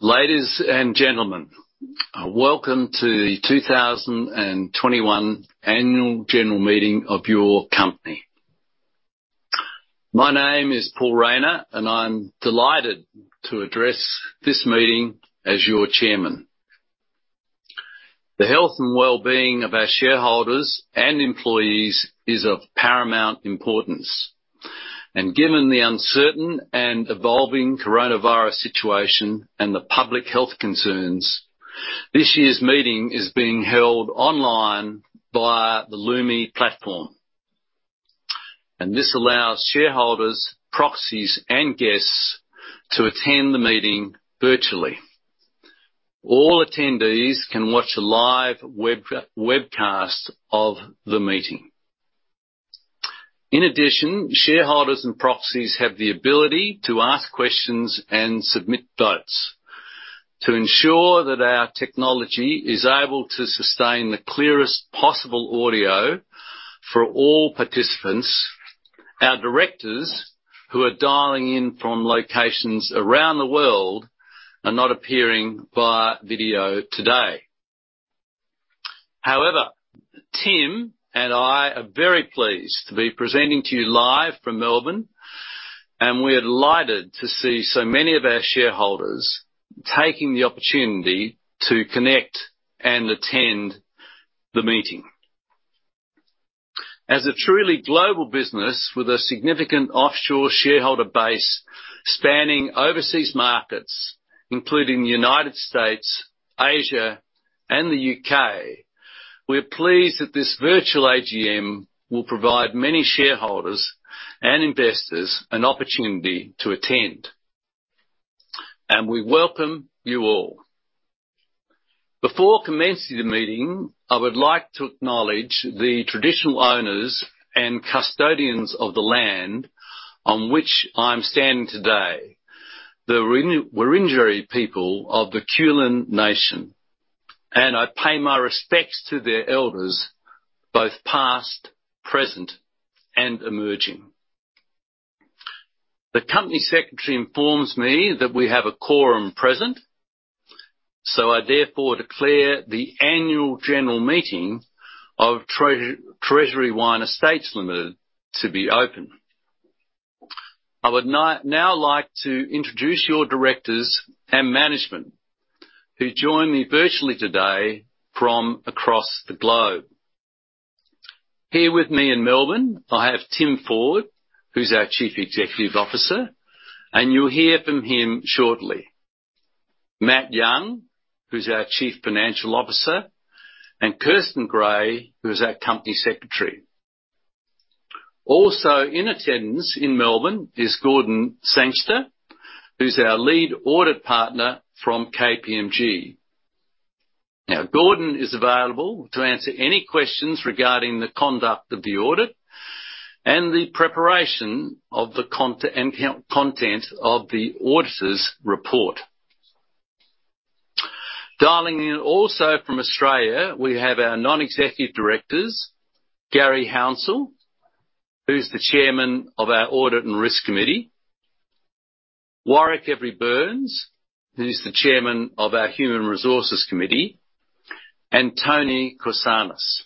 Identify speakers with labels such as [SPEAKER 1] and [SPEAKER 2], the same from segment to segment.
[SPEAKER 1] Ladies and gentlemen, welcome to the 2021 Annual General Meeting of your company. My name is Paul Rayner, and I'm delighted to address this meeting as your Chairman. The health and wellbeing of our shareholders and employees is of paramount importance. Given the uncertain and evolving Coronavirus situation and the public health concerns, this year's meeting is being held online via the Lumi platform. This allows shareholders, proxies, and guests to attend the meeting virtually. All attendees can watch a live webcast of the meeting. In addition, shareholders and proxies have the ability to ask questions and submit votes. To ensure that our technology is able to sustain the clearest possible audio for all participants, our Directors, who are dialing in from locations around the world, are not appearing via video today. Tim and I are very pleased to be presenting to you live from Melbourne, and we're delighted to see so many of our shareholders taking the opportunity to connect and attend the meeting. As a truly global business with a significant offshore shareholder base spanning overseas markets, including the United States, Asia, and the U.K., we're pleased that this virtual AGM will provide many shareholders and investors an opportunity to attend, and we welcome you all. Before commencing the meeting, I would like to acknowledge the traditional owners and custodians of the land on which I'm standing today, the Wurundjeri people of the Kulin Nation, and I pay my respects to their elders, both past, present, and emerging. The Company Secretary informs me that we have a quorum present, so I therefore declare the Annual General Meeting of Treasury Wine Estates Limited to be open. I would now like to introduce your directors and management, who join me virtually today from across the globe. Here with me in Melbourne, I have Tim Ford, who's our Chief Executive Officer, and you'll hear from him shortly. Matt Young, who's our Chief Financial Officer, and Kirsten Gray, who's our Company Secretary. Also in attendance in Melbourne is Gordon Sangster, who's our Lead Audit Partner from KPMG. Gordon is available to answer any questions regarding the conduct of the audit and the preparation and content of the auditor's report. Dialing in also from Australia, we have our Non-Executive Directors, Garry Hounsell, who's the Chairman of our Audit and Risk Committee, Warwick Every-Burns, who's the Chairman of our Human Resources Committee, and Toni Korsanos.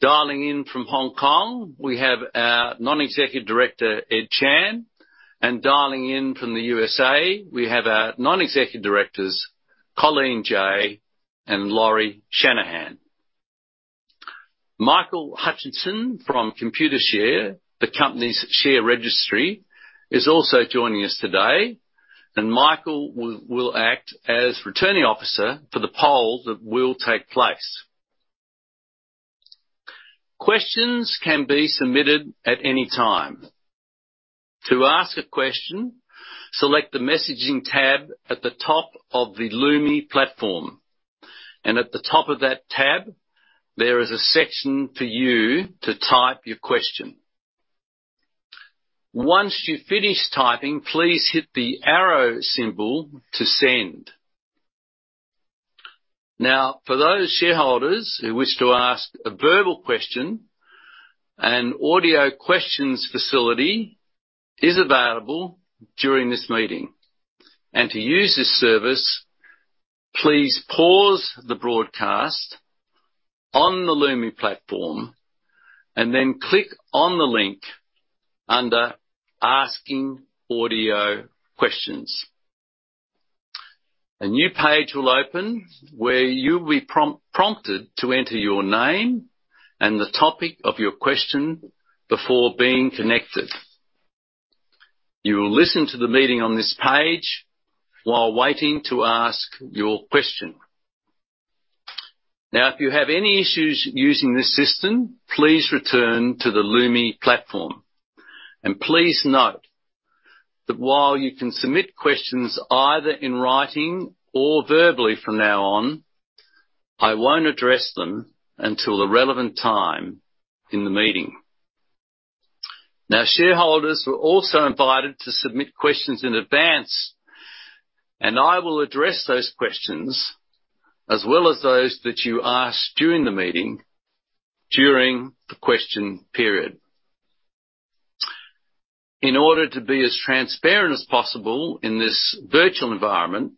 [SPEAKER 1] Dialing in from Hong Kong, we have our non-executive director, Ed Chan. Dialing in from the U.S.A., we have our Non-Executive Directors, Colleen Jay and Lauri Shanahan. Michael Hutchison from Computershare, the company's share registry, is also joining us today, and Michael will act as Returning Officer for the poll that will take place. Questions can be submitted at any time. To ask a question, select the messaging tab at the top of the Lumi platform, and at the top of that tab, there is a section for you to type your question. Once you've finished typing, please hit the arrow symbol to send. Now, for those shareholders who wish to ask a verbal question, an audio questions facility is available during this meeting. To use this service, please pause the broadcast on the Lumi platform and then click on the link under asking audio questions. A new page will open where you'll be prompted to enter your name and the topic of your question before being connected. You will listen to the meeting on this page while waiting to ask your question. If you have any issues using this system, please return to the Lumi platform. Please note that while you can submit questions either in writing or verbally from now on, I won't address them until the relevant time in the meeting. Shareholders were also invited to submit questions in advance. I will address those questions as well as those that you ask during the meeting during the question period. In order to be as transparent as possible in this virtual environment,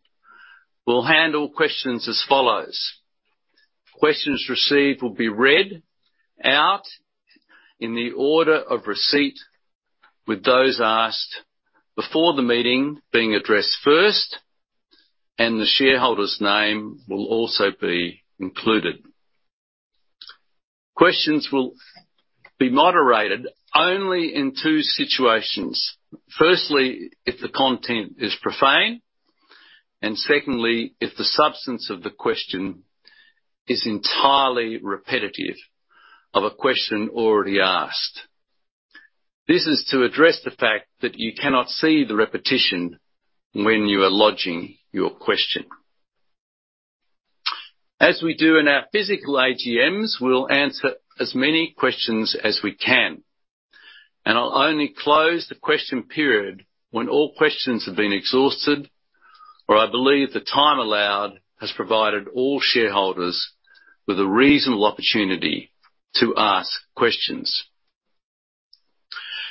[SPEAKER 1] we'll handle questions as follows. Questions received will be read out in the order of receipt, with those asked before the meeting being addressed first, and the shareholder's name will also be included. Questions will be moderated only in two situations. Firstly, if the content is profane, and secondly, if the substance of the question is entirely repetitive of a question already asked. This is to address the fact that you cannot see the repetition when you are lodging your question. As we do in our physical AGMs, we'll answer as many questions as we can, and I'll only close the question period when all questions have been exhausted, or I believe the time allowed has provided all shareholders with a reasonable opportunity to ask questions.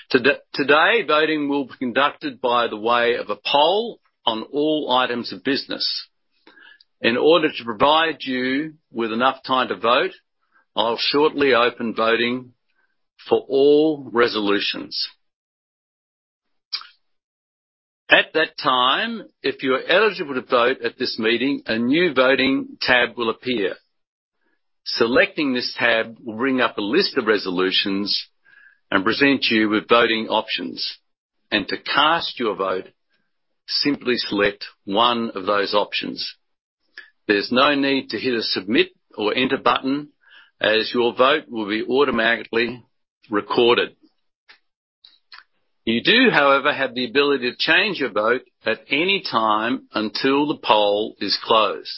[SPEAKER 1] Today, voting will be conducted by the way of a poll on all items of business. In order to provide you with enough time to vote, I'll shortly open voting for all resolutions. At that time, if you're eligible to vote at this meeting, a new voting tab will appear. Selecting this tab will bring up a list of resolutions and present you with voting options. To cast your vote, simply select one of those options. There's no need to hit a submit or enter button, as your vote will be automatically recorded. You do, however, have the ability to change your vote at any time until the poll is closed.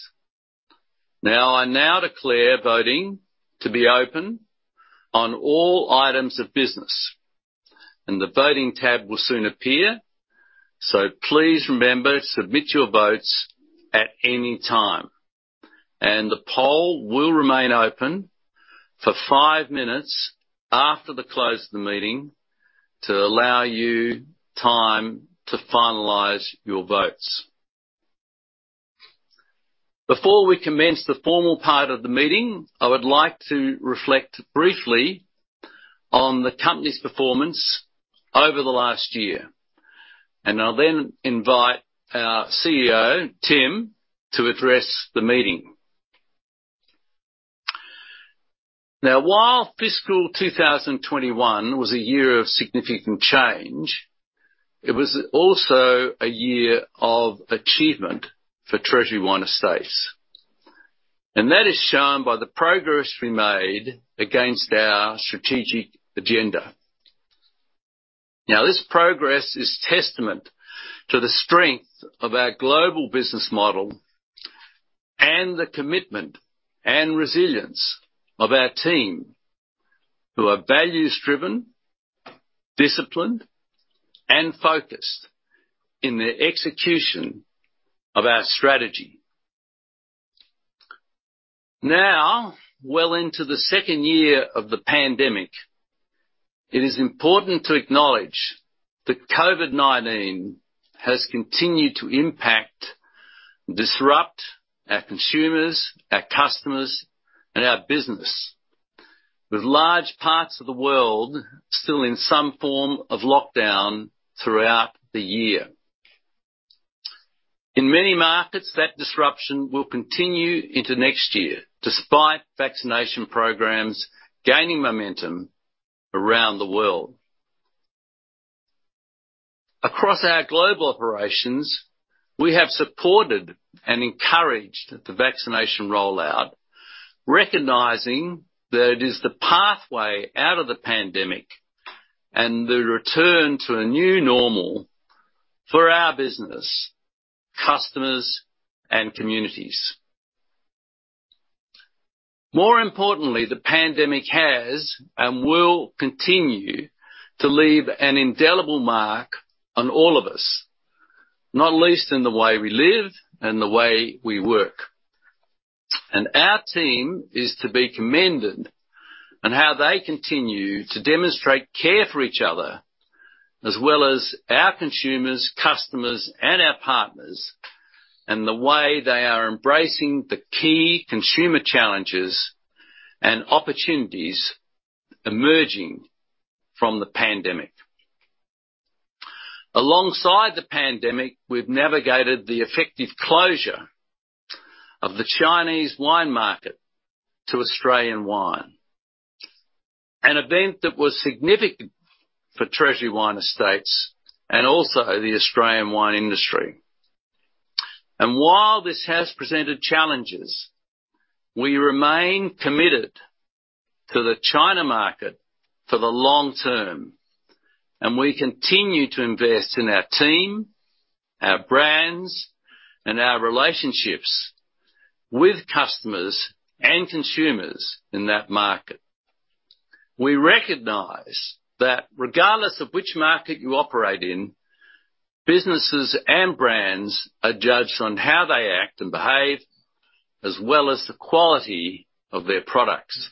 [SPEAKER 1] I now declare voting to be open on all items of business, and the voting tab will soon appear. Please remember to submit your votes at any time, and the poll will remain open for five minutes after the close of the meeting to allow you time to finalize your votes. Before we commence the formal part of the meeting, I would like to reflect briefly on the company's performance over the last year. I'll then invite our Chief Executive Officer, Tim, to address the meeting. While fiscal 2021 was a year of significant change, it was also a year of achievement for Treasury Wine Estates. That is shown by the progress we made against our strategic agenda. This progress is testament to the strength of our global business model and the commitment and resilience of our team, who are values-driven, disciplined, and focused in their execution of our strategy. Well into the second year of the pandemic, it is important to acknowledge that COVID-19 has continued to impact, disrupt our consumers, our customers, and our business, with large parts of the world still in some form of lockdown throughout the year. In many markets, that disruption will continue into next year, despite vaccination programs gaining momentum around the world. Across our global operations, we have supported and encouraged the vaccination rollout, recognizing that it is the pathway out of the pandemic and the return to a new normal for our business, customers, and communities. More importantly, the pandemic has and will continue to leave an indelible mark on all of us, not least in the way we live and the way we work. Our team is to be commended on how they continue to demonstrate care for each other, as well as our consumers, customers, and our partners, and the way they are embracing the key consumer challenges and opportunities emerging from the pandemic. Alongside the pandemic, we've navigated the effective closure of the Chinese wine market to Australian wine, an event that was significant for Treasury Wine Estates and also the Australian wine industry. While this has presented challenges, we remain committed to the China market for the long term, and we continue to invest in our team, our brands, and our relationships with customers and consumers in that market. We recognize that regardless of which market you operate in, businesses and brands are judged on how they act and behave, as well as the quality of their products.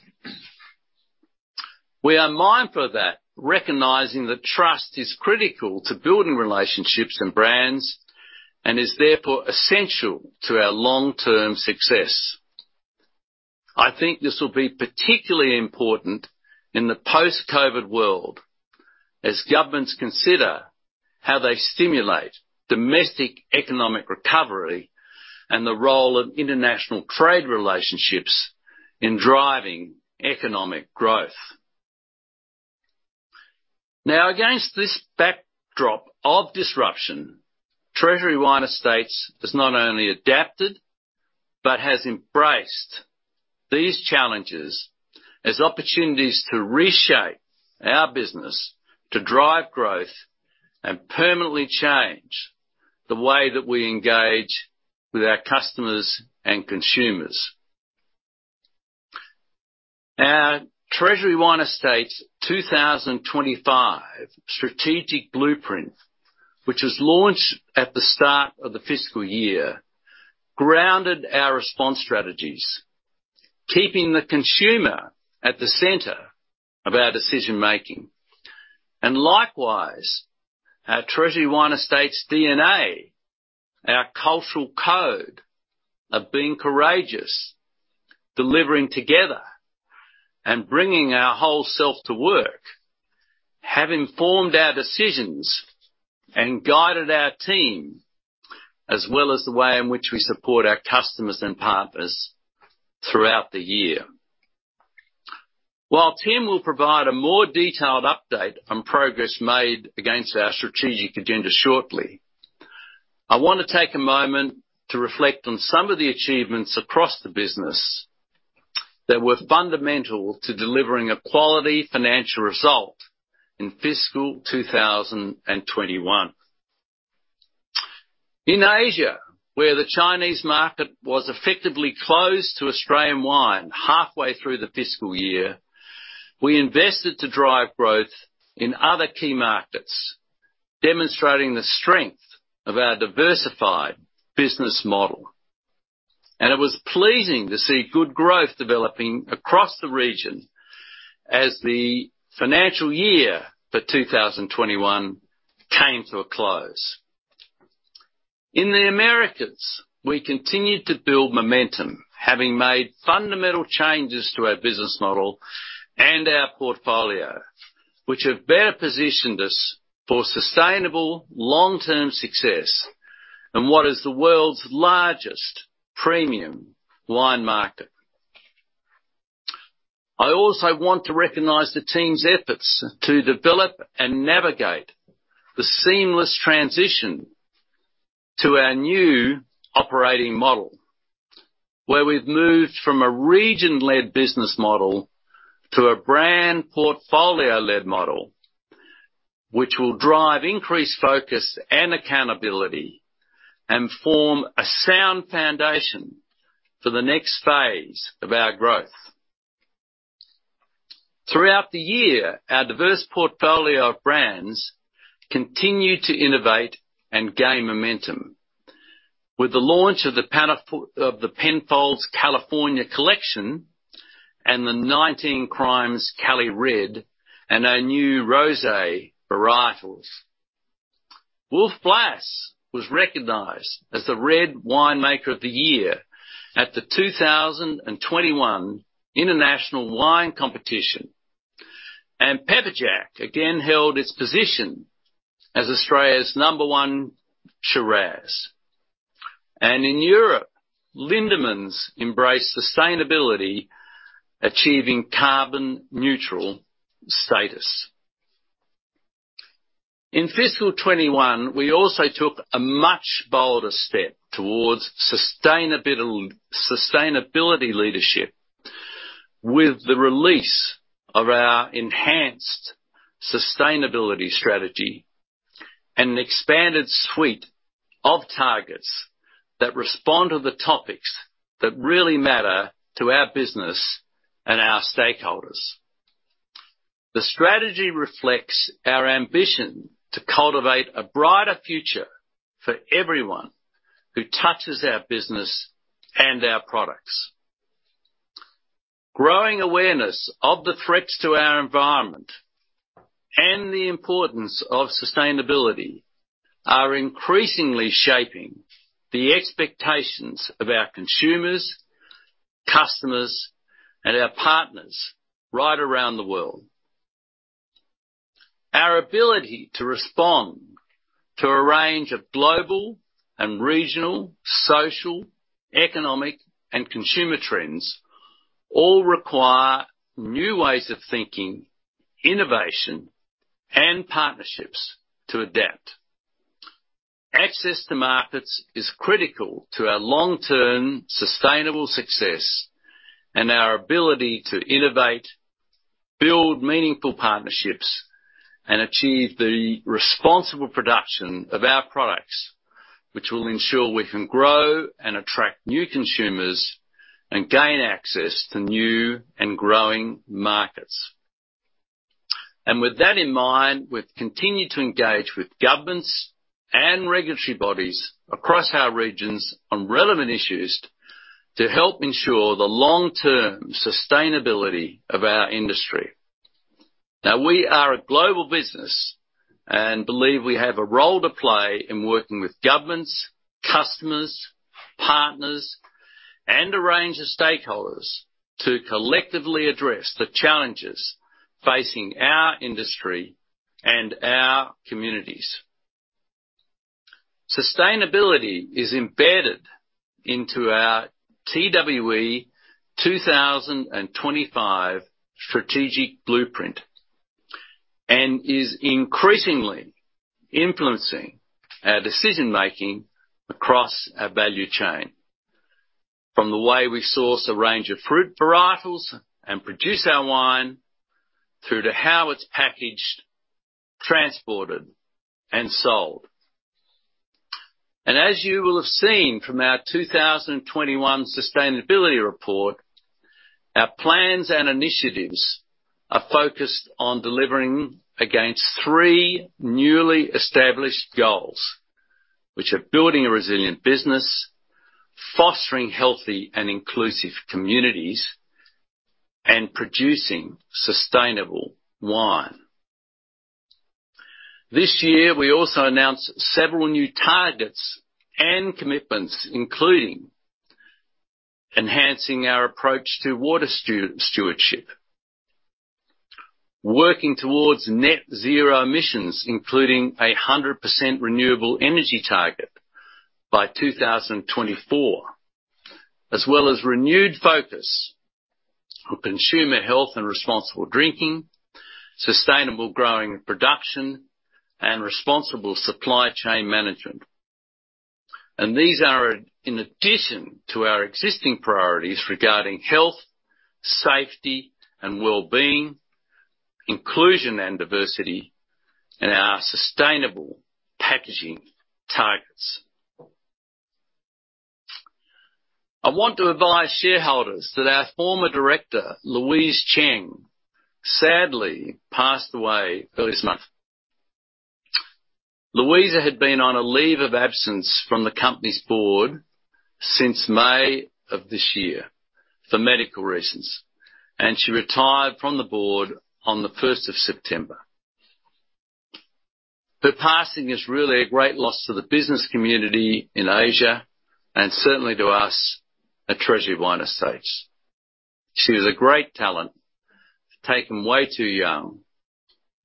[SPEAKER 1] We are mindful of that, recognizing that trust is critical to building relationships and brands, and is therefore essential to our long-term success. I think this will be particularly important in the post-COVID world as governments consider how they stimulate domestic economic recovery and the role of international trade relationships in driving economic growth. Against this backdrop of disruption, Treasury Wine Estates has not only adapted, but has embraced these challenges as opportunities to reshape our business to drive growth and permanently change the way that we engage with our customers and consumers. Our Treasury Wine Estates 2025 strategic blueprint, which was launched at the start of the fiscal year, grounded our response strategies, keeping the consumer at the center of our decision-making. Likewise, our Treasury Wine Estates DNA, our cultural code of being courageous, delivering together, and bringing our whole self to work, have informed our decisions and guided our team, as well as the way in which we support our customers and partners throughout the year. While Tim will provide a more detailed update on progress made against our strategic agenda shortly, I want to take a moment to reflect on some of the achievements across the business that were fundamental to delivering a quality financial result in fiscal 2021. In Asia, where the Chinese market was effectively closed to Australian wine halfway through the fiscal year, we invested to drive growth in other key markets, demonstrating the strength of our diversified business model. It was pleasing to see good growth developing across the region as the financial year for 2021 came to a close. In the Americas, we continued to build momentum, having made fundamental changes to our business model and our portfolio, which have better positioned us for sustainable long-term success in what is the world's largest premium wine market. I also want to recognize the team's efforts to develop and navigate the seamless transition to our new operating model, where we've moved from a region-led business model to a brand portfolio-led model, which will drive increased focus and accountability and form a sound foundation for the next phase of our growth. Throughout the year, our diverse portfolio of brands continued to innovate and gain momentum. With the launch of the Penfolds California Collection and the 19 Crimes Cali Red and our new Rosé varietals. Wolf Blass was recognized as the Red Winemaker of the Year at the 2021 International Wine Challenge, and Pepperjack again held its position as Australia's number one Shiraz. In Europe, Lindeman's embraced sustainability, achieving carbon neutral status. In fiscal 2021, we also took a much bolder step towards sustainability leadership with the release of our enhanced sustainability strategy and an expanded suite of targets that respond to the topics that really matter to our business and our stakeholders. The strategy reflects our ambition to cultivate a brighter future for everyone who touches our business and our products. Growing awareness of the threats to our environment and the importance of sustainability are increasingly shaping the expectations of our consumers, customers, and our partners right around the world. Our ability to respond to a range of global and regional, social, economic, and consumer trends all require new ways of thinking, innovation, and partnerships to adapt. Access to markets is critical to our long-term sustainable success and our ability to innovate, build meaningful partnerships, and achieve the responsible production of our products, which will ensure we can grow and attract new consumers and gain access to new and growing markets. With that in mind, we've continued to engage with governments and regulatory bodies across our regions on relevant issues to help ensure the long-term sustainability of our industry. We are a global business and believe we have a role to play in working with governments, customers, partners, and a range of stakeholders to collectively address the challenges facing our industry and our communities. Sustainability is embedded into our TWE 2025 strategic blueprint and is increasingly influencing our decision-making across our value chain, from the way we source a range of fruit varietals and produce our wine, through to how it's packaged, transported, and sold. As you will have seen from our 2021 Sustainability Report, our plans and initiatives are focused on delivering against three newly established goals, which are building a resilient business, fostering healthy and inclusive communities, and producing sustainable wine. This year, we also announced several new targets and commitments, including enhancing our approach to water stewardship, working towards net zero emissions, including 100% renewable energy target by 2024, as well as renewed focus for consumer health and responsible drinking, sustainable growing and production, and responsible supply chain management. These are in addition to our existing priorities regarding health, safety, and well-being, inclusion and diversity, and our sustainable packaging targets. I want to advise shareholders that our Former Director, Louisa Cheang, sadly passed away early this month. Louisa had been on a leave of absence from the company's Board since May of this year for medical reasons, and she retired from the Board on the 1st of September. Her passing is really a great loss to the business community in Asia and certainly to us at Treasury Wine Estates. She was a great talent, taken way too young,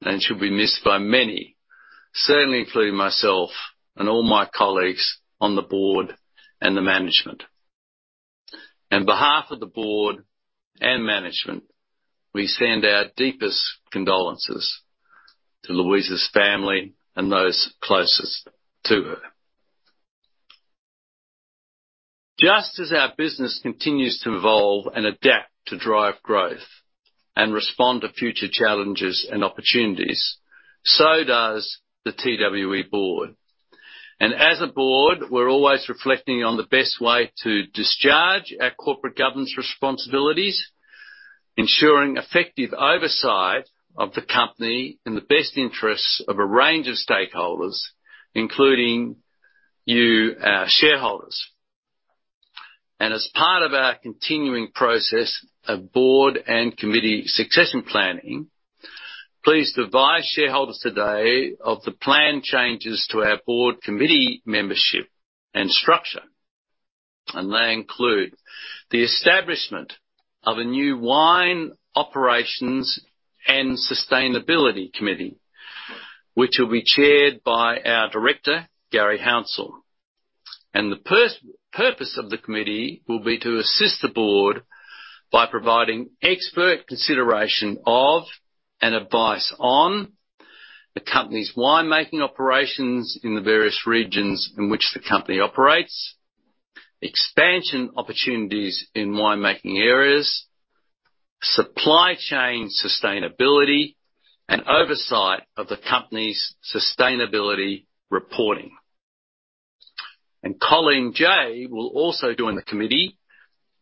[SPEAKER 1] and she'll be missed by many, certainly including myself and all my colleagues on the Board and the Management. On behalf of the Board and Management, we send our deepest condolences to Louisa's family and those closest to her. Just as our business continues to evolve and adapt to drive growth and respond to future challenges and opportunities, so does the TWE Board. As a Board, we're always reflecting on the best way to discharge our corporate governance responsibilities, ensuring effective oversight of the company in the best interests of a range of stakeholders, including you, our shareholders. As part of our continuing process of Board and Committee succession planning, pleased to advise shareholders today of the planned changes to our Board Committee membership and structure. They include the establishment of a new Wine Operations and Sustainability Committee, which will be chaired by our Director, Garry Hounsell. The purpose of the Committee will be to assist the Board by providing expert consideration of, and advice on, the company's winemaking operations in the various regions in which the company operates, expansion opportunities in winemaking areas, supply chain sustainability, and oversight of the company's sustainability reporting. Colleen Jay will also join the Committee,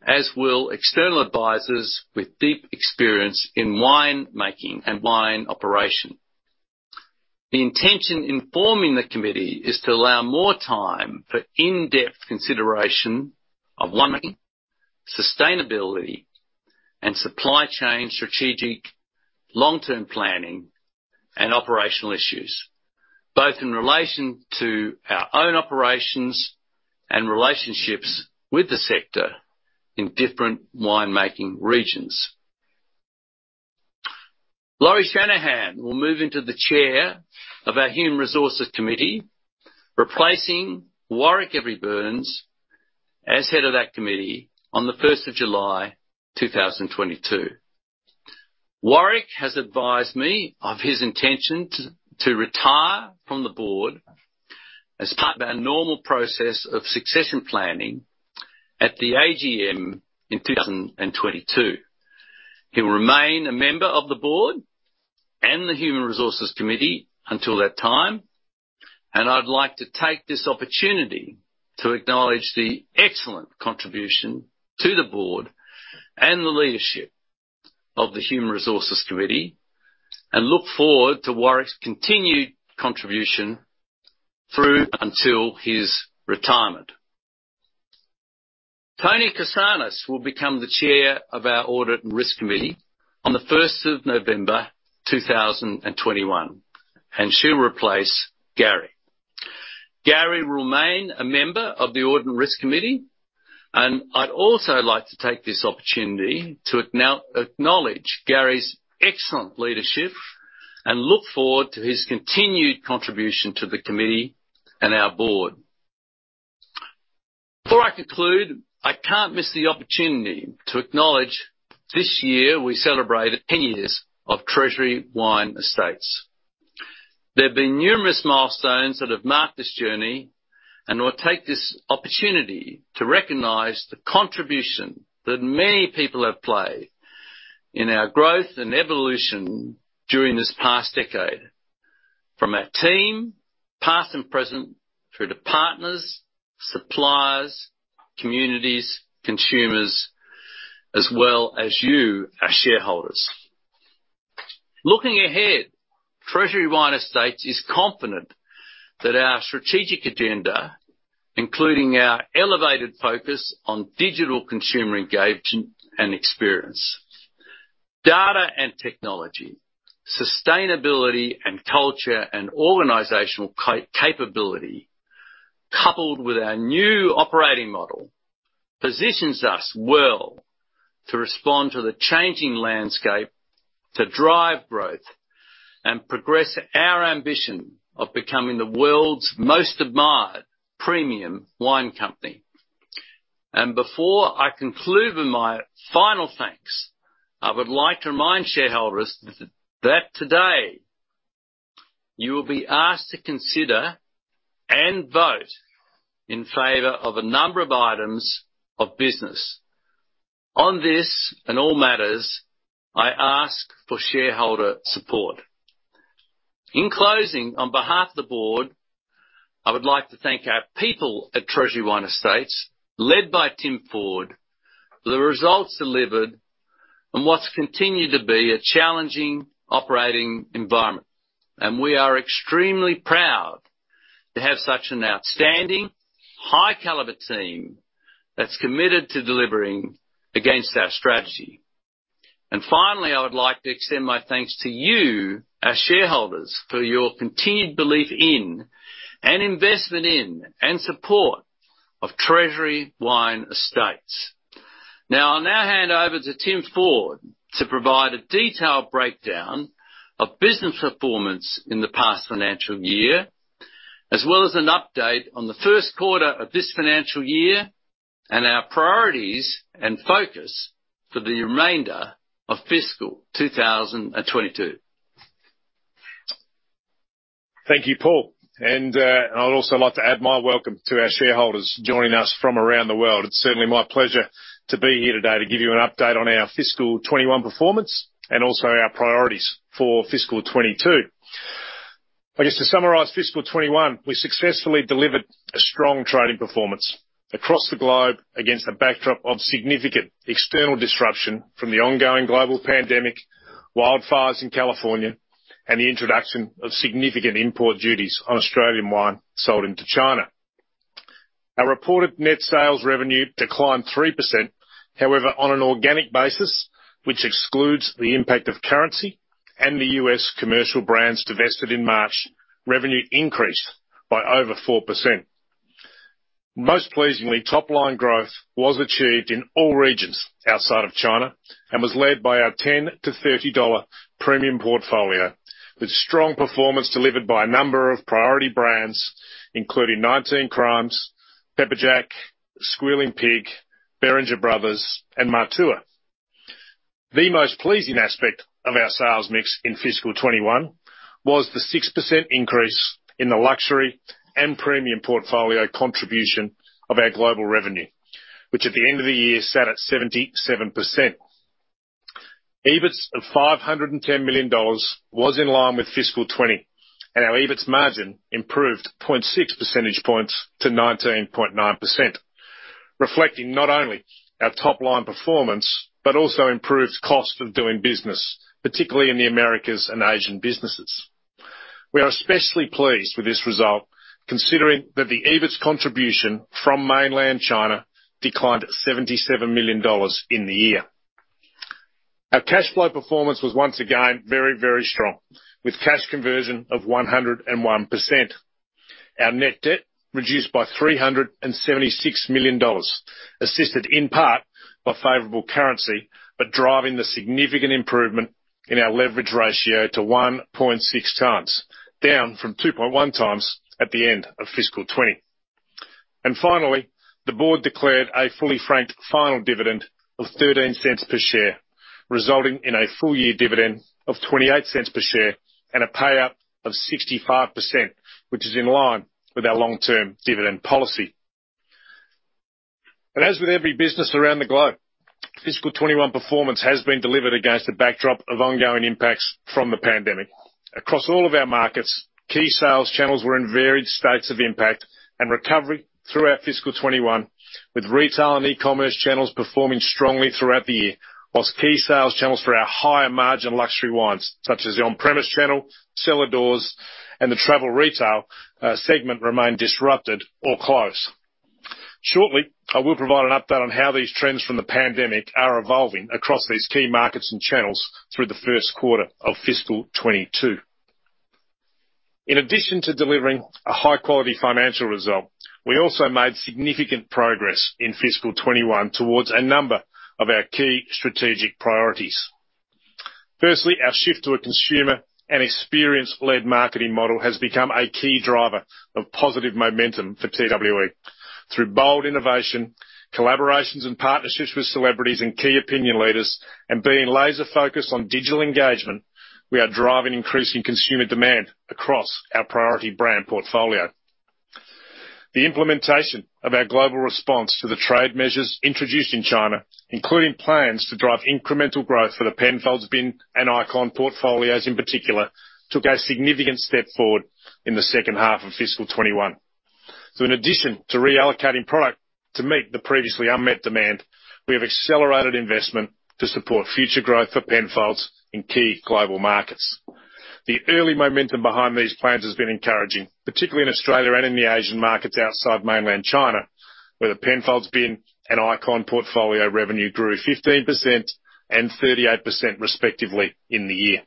[SPEAKER 1] as will External Advisors with deep experience in winemaking and wine operation. The intention in forming the Committee is to allow more time for in-depth consideration of winemaking, sustainability, and supply chain strategic long-term planning and operational issues, both in relation to our own operations and relationships with the sector in different winemaking regions. Lauri Shanahan will move into the Chair of our Human Resources Committee, replacing Warwick Every-Burns as Head of that Committee on the 1st of July 2022. Warwick has advised me of his intention to retire from the Board as part of our normal process of succession planning at the AGM in 2022. He will remain a member of the Board and the Human Resources Committee until that time. I'd like to take this opportunity to acknowledge the excellent contribution to the Board and the leadership of the Human Resources Committee, and look forward to Warwick's continued contribution through until his retirement. Toni Korsanos will become the Chair of our Audit and Risk Committee on the 1st of November 2021. She'll replace Garry. Garry will remain a member of the Audit and Risk Committee. I'd also like to take this opportunity to acknowledge Garry's excellent leadership and look forward to his continued contribution to the Committee and our Board. Before I conclude, I can't miss the opportunity to acknowledge this year we celebrated 10 years of Treasury Wine Estates. There have been numerous milestones that have marked this journey, and I'll take this opportunity to recognize the contribution that many people have played in our growth and evolution during this past decade, from our team, past and present, through to partners, suppliers, communities, consumers, as well as you, our shareholders. Looking ahead, Treasury Wine Estates is confident that our strategic agenda, including our elevated focus on digital consumer engagement and experience, data and technology, sustainability and culture, and organizational capability, coupled with our new operating model, positions us well to respond to the changing landscape, to drive growth, and progress our ambition of becoming the world's most admired premium wine company. Before I conclude with my final thanks, I would like to remind shareholders that today you will be asked to consider and vote in favor of a number of items of business. On this and all matters, I ask for shareholder support. In closing, on behalf of the Board, I would like to thank our people at Treasury Wine Estates, led by Tim Ford, for the results delivered on what's continued to be a challenging operating environment. We are extremely proud to have such an outstanding, high-caliber team that's committed to delivering against our strategy. Finally, I would like to extend my thanks to you, our shareholders, for your continued belief in and investment in, and support of Treasury Wine Estates. Now, I'll now hand over to Tim Ford to provide a detailed breakdown of business performance in the past financial year, as well as an update on the first quarter of this financial year and our priorities and focus for the remainder of fiscal 2022.
[SPEAKER 2] Thank you, Paul. I'd also like to add my welcome to our shareholders joining us from around the world. It's certainly my pleasure to be here today to give you an update on our fiscal 2021 performance and also our priorities for fiscal 2022. I guess, to summarize fiscal 2021, we successfully delivered a strong trading performance across the globe against a backdrop of significant external disruption from the ongoing global pandemic, wildfires in California, and the introduction of significant import duties on Australian wine sold into China. Our reported net sales revenue declined 3%. On an organic basis, which excludes the impact of currency and the U.S. commercial brands divested in March, revenue increased by over 4%. Most pleasingly, top-line growth was achieved in all regions outside of China and was led by our $10-$30 premium portfolio, with strong performance delivered by a number of priority brands, including 19 Crimes, Pepperjack, Squealing Pig, Beringer Bros., and Matua. The most pleasing aspect of our sales mix in fiscal 2021 was the 6% increase in the luxury and premium portfolio contribution of our global revenue, which at the end of the year sat at 77%. EBIT of $510 million was in line with fiscal 2020, and our EBIT margin improved 0.6 percentage points to 19.9%, reflecting not only our top-line performance, but also improved cost of doing business, particularly in the Americas and Asian businesses. We are especially pleased with this result considering that the EBIT's contribution from mainland China declined $77 million in the year. Our cash flow performance was once again very strong, with cash conversion of 101%. Our net debt reduced by $376 million, assisted in part by favorable currency, but driving the significant improvement in our leverage ratio to 1.6x, down from 2.1x at the end of fiscal 2020. Finally, the Board declared a fully franked final dividend of $0.13 per share, resulting in a full-year dividend of $0.28 per share and a payout of 65%, which is in line with our long-term dividend policy. As with every business around the globe, fiscal 2021 performance has been delivered against a backdrop of ongoing impacts from the pandemic. Across all of our markets, key sales channels were in varied states of impact and recovery throughout fiscal 2021, with retail and E-Commerce channels performing strongly throughout the year, whilst key sales channels for our higher margin luxury wines, such as the on-premise channel, cellar doors, and the travel retail segment, remained disrupted or closed. Shortly, I will provide an update on how these trends from the pandemic are evolving across these key markets and channels through the first quarter of fiscal 2022. In addition to delivering a high-quality financial result, we also made significant progress in fiscal 2021 towards a number of our key strategic priorities. Firstly, our shift to a consumer and experience-led marketing model has become a key driver of positive momentum for TWE. Through bold innovation, collaborations and partnerships with celebrities and key opinion leaders, and being laser-focused on digital engagement, we are driving increasing consumer demand across our priority brand portfolio. The implementation of our global response to the trade measures introduced in China, including plans to drive incremental growth for the Penfolds Bin and Icon portfolios in particular, took a significant step forward in the second half of fiscal 2021. In addition to reallocating product to meet the previously unmet demand, we have accelerated investment to support future growth for Penfolds in key global markets. The early momentum behind these plans has been encouraging, particularly in Australia and in the Asian markets outside mainland China, where the Penfolds bin and Icon portfolio revenue grew 15% and 38% respectively in the year.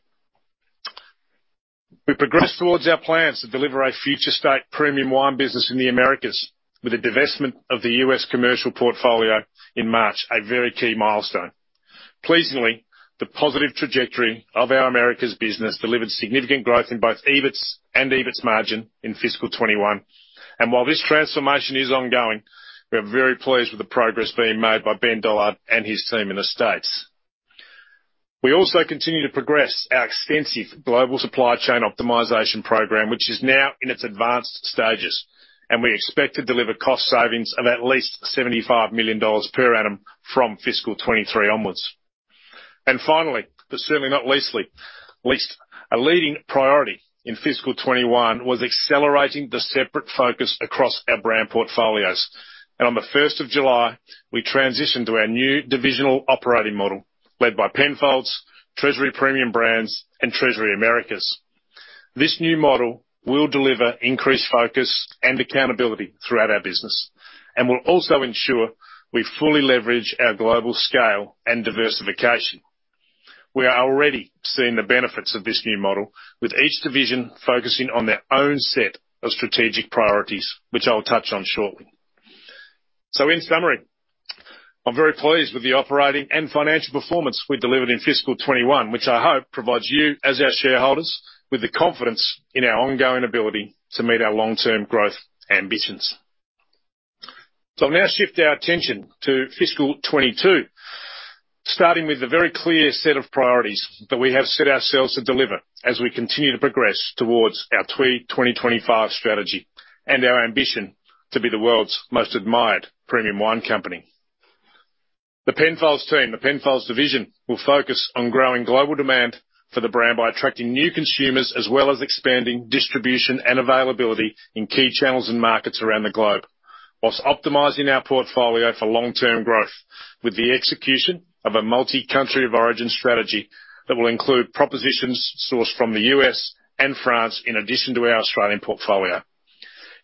[SPEAKER 2] We progressed towards our plans to deliver a future state premium wine business in the Americas, with the divestment of the U.S. commercial portfolio in March, a very key milestone. Pleasingly, the positive trajectory of our Americas business delivered significant growth in both EBIT and EBIT margin in FY 2021. While this transformation is ongoing, we are very pleased with the progress being made by Ben Dollard and his team in the States. We also continue to progress our extensive global supply chain optimization program, which is now in its advanced stages, and we expect to deliver cost savings of at least $75 million per annum from FY 2023 onwards. Finally, but certainly not least, a leading priority in FY 2021 was accelerating the separate focus across our brand portfolios. On the 1st of July, we transitioned to our new divisional operating model, led by Penfolds, Treasury Premium Brands, and Treasury Americas. This new model will deliver increased focus and accountability throughout our business and will also ensure we fully leverage our global scale and diversification. We are already seeing the benefits of this new model, with each division focusing on their own set of strategic priorities, which I'll touch on shortly. In summary, I'm very pleased with the operating and financial performance we delivered in fiscal 2021, which I hope provides you as our shareholders with the confidence in our ongoing ability to meet our long-term growth ambitions. I'll now shift our attention to fiscal 2022, starting with the very clear set of priorities that we have set ourselves to deliver as we continue to progress towards our TWE 2025 strategy and our ambition to be the world's most admired premium wine company. The Penfolds team, the Penfolds division, will focus on growing global demand for the brand by attracting new consumers, as well as expanding distribution and availability in key channels and markets around the globe, whilst optimizing our portfolio for long-term growth with the execution of a multi-country of origin strategy that will include propositions sourced from the U.S. and France, in addition to our Australian portfolio.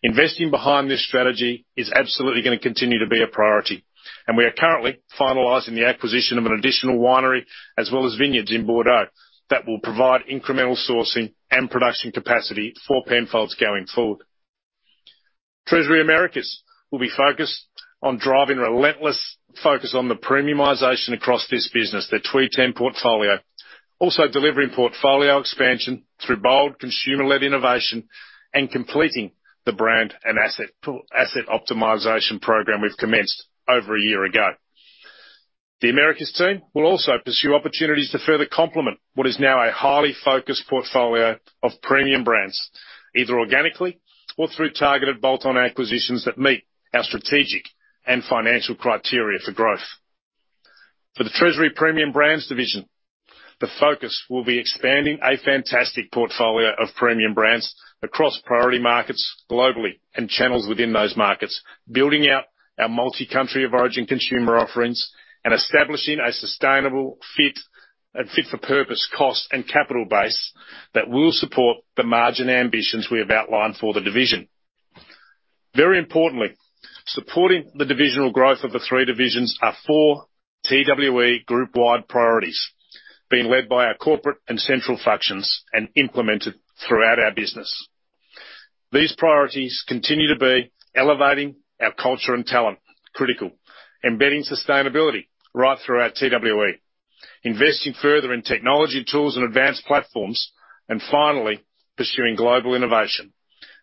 [SPEAKER 2] Investing behind this strategy is absolutely going to continue to be a priority, and we are currently finalizing the acquisition of an additional winery as well as vineyards in Bordeaux that will provide incremental sourcing and production capacity for Penfolds going forward. Treasury Americas will be focused on driving relentless focus on the premiumization across this business, the TWE 10 portfolio. Also delivering portfolio expansion through bold consumer-led innovation and completing the brand and asset optimization program we've commenced over a year ago. The Americas team will also pursue opportunities to further complement what is now a highly focused portfolio of premium brands, either organically or through targeted bolt-on acquisitions that meet our strategic and financial criteria for growth. For the Treasury Premium Brands division, the focus will be expanding a fantastic portfolio of premium brands across priority markets globally and channels within those markets, building out our multi-country of origin consumer offerings, and establishing a sustainable fit, and fit for purpose, cost, and capital base that will support the margin ambitions we have outlined for the division. Very importantly, supporting the divisional growth of the three divisions are four TWE group-wide priorities being led by our corporate and central functions and implemented throughout our business. These priorities continue to be elevating our culture and talent, critical. Embedding sustainability right throughout TWE. Investing further in technology tools and advanced platforms. Finally, pursuing global innovation.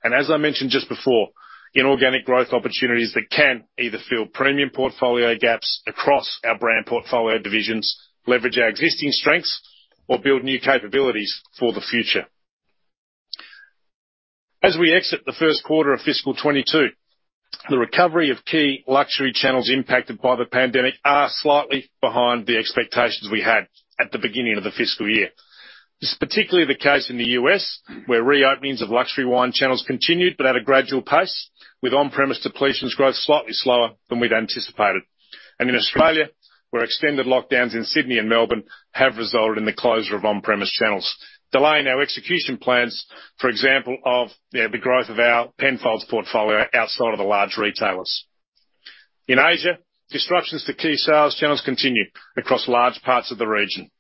[SPEAKER 2] As I mentioned just before, in organic growth opportunities that can either fill premium portfolio gaps across our brand portfolio divisions, leverage our existing strengths, or build new capabilities for the future. As we exit the first quarter of fiscal 2022, the recovery of key luxury channels impacted by the pandemic are slightly behind the expectations we had at the beginning of the fiscal year. This is particularly the case in the U.S., where reopenings of luxury wine channels continued, but at a gradual pace, with on-premise depletions growth slightly slower than we'd anticipated. In Australia, where extended lockdowns in Sydney and Melbourne have resulted in the closure of on-premise channels, delaying our execution plans, for example of the growth of our Penfolds portfolio outside of the large retailers. In Asia, disruptions to key sales channels continue across large parts of the region.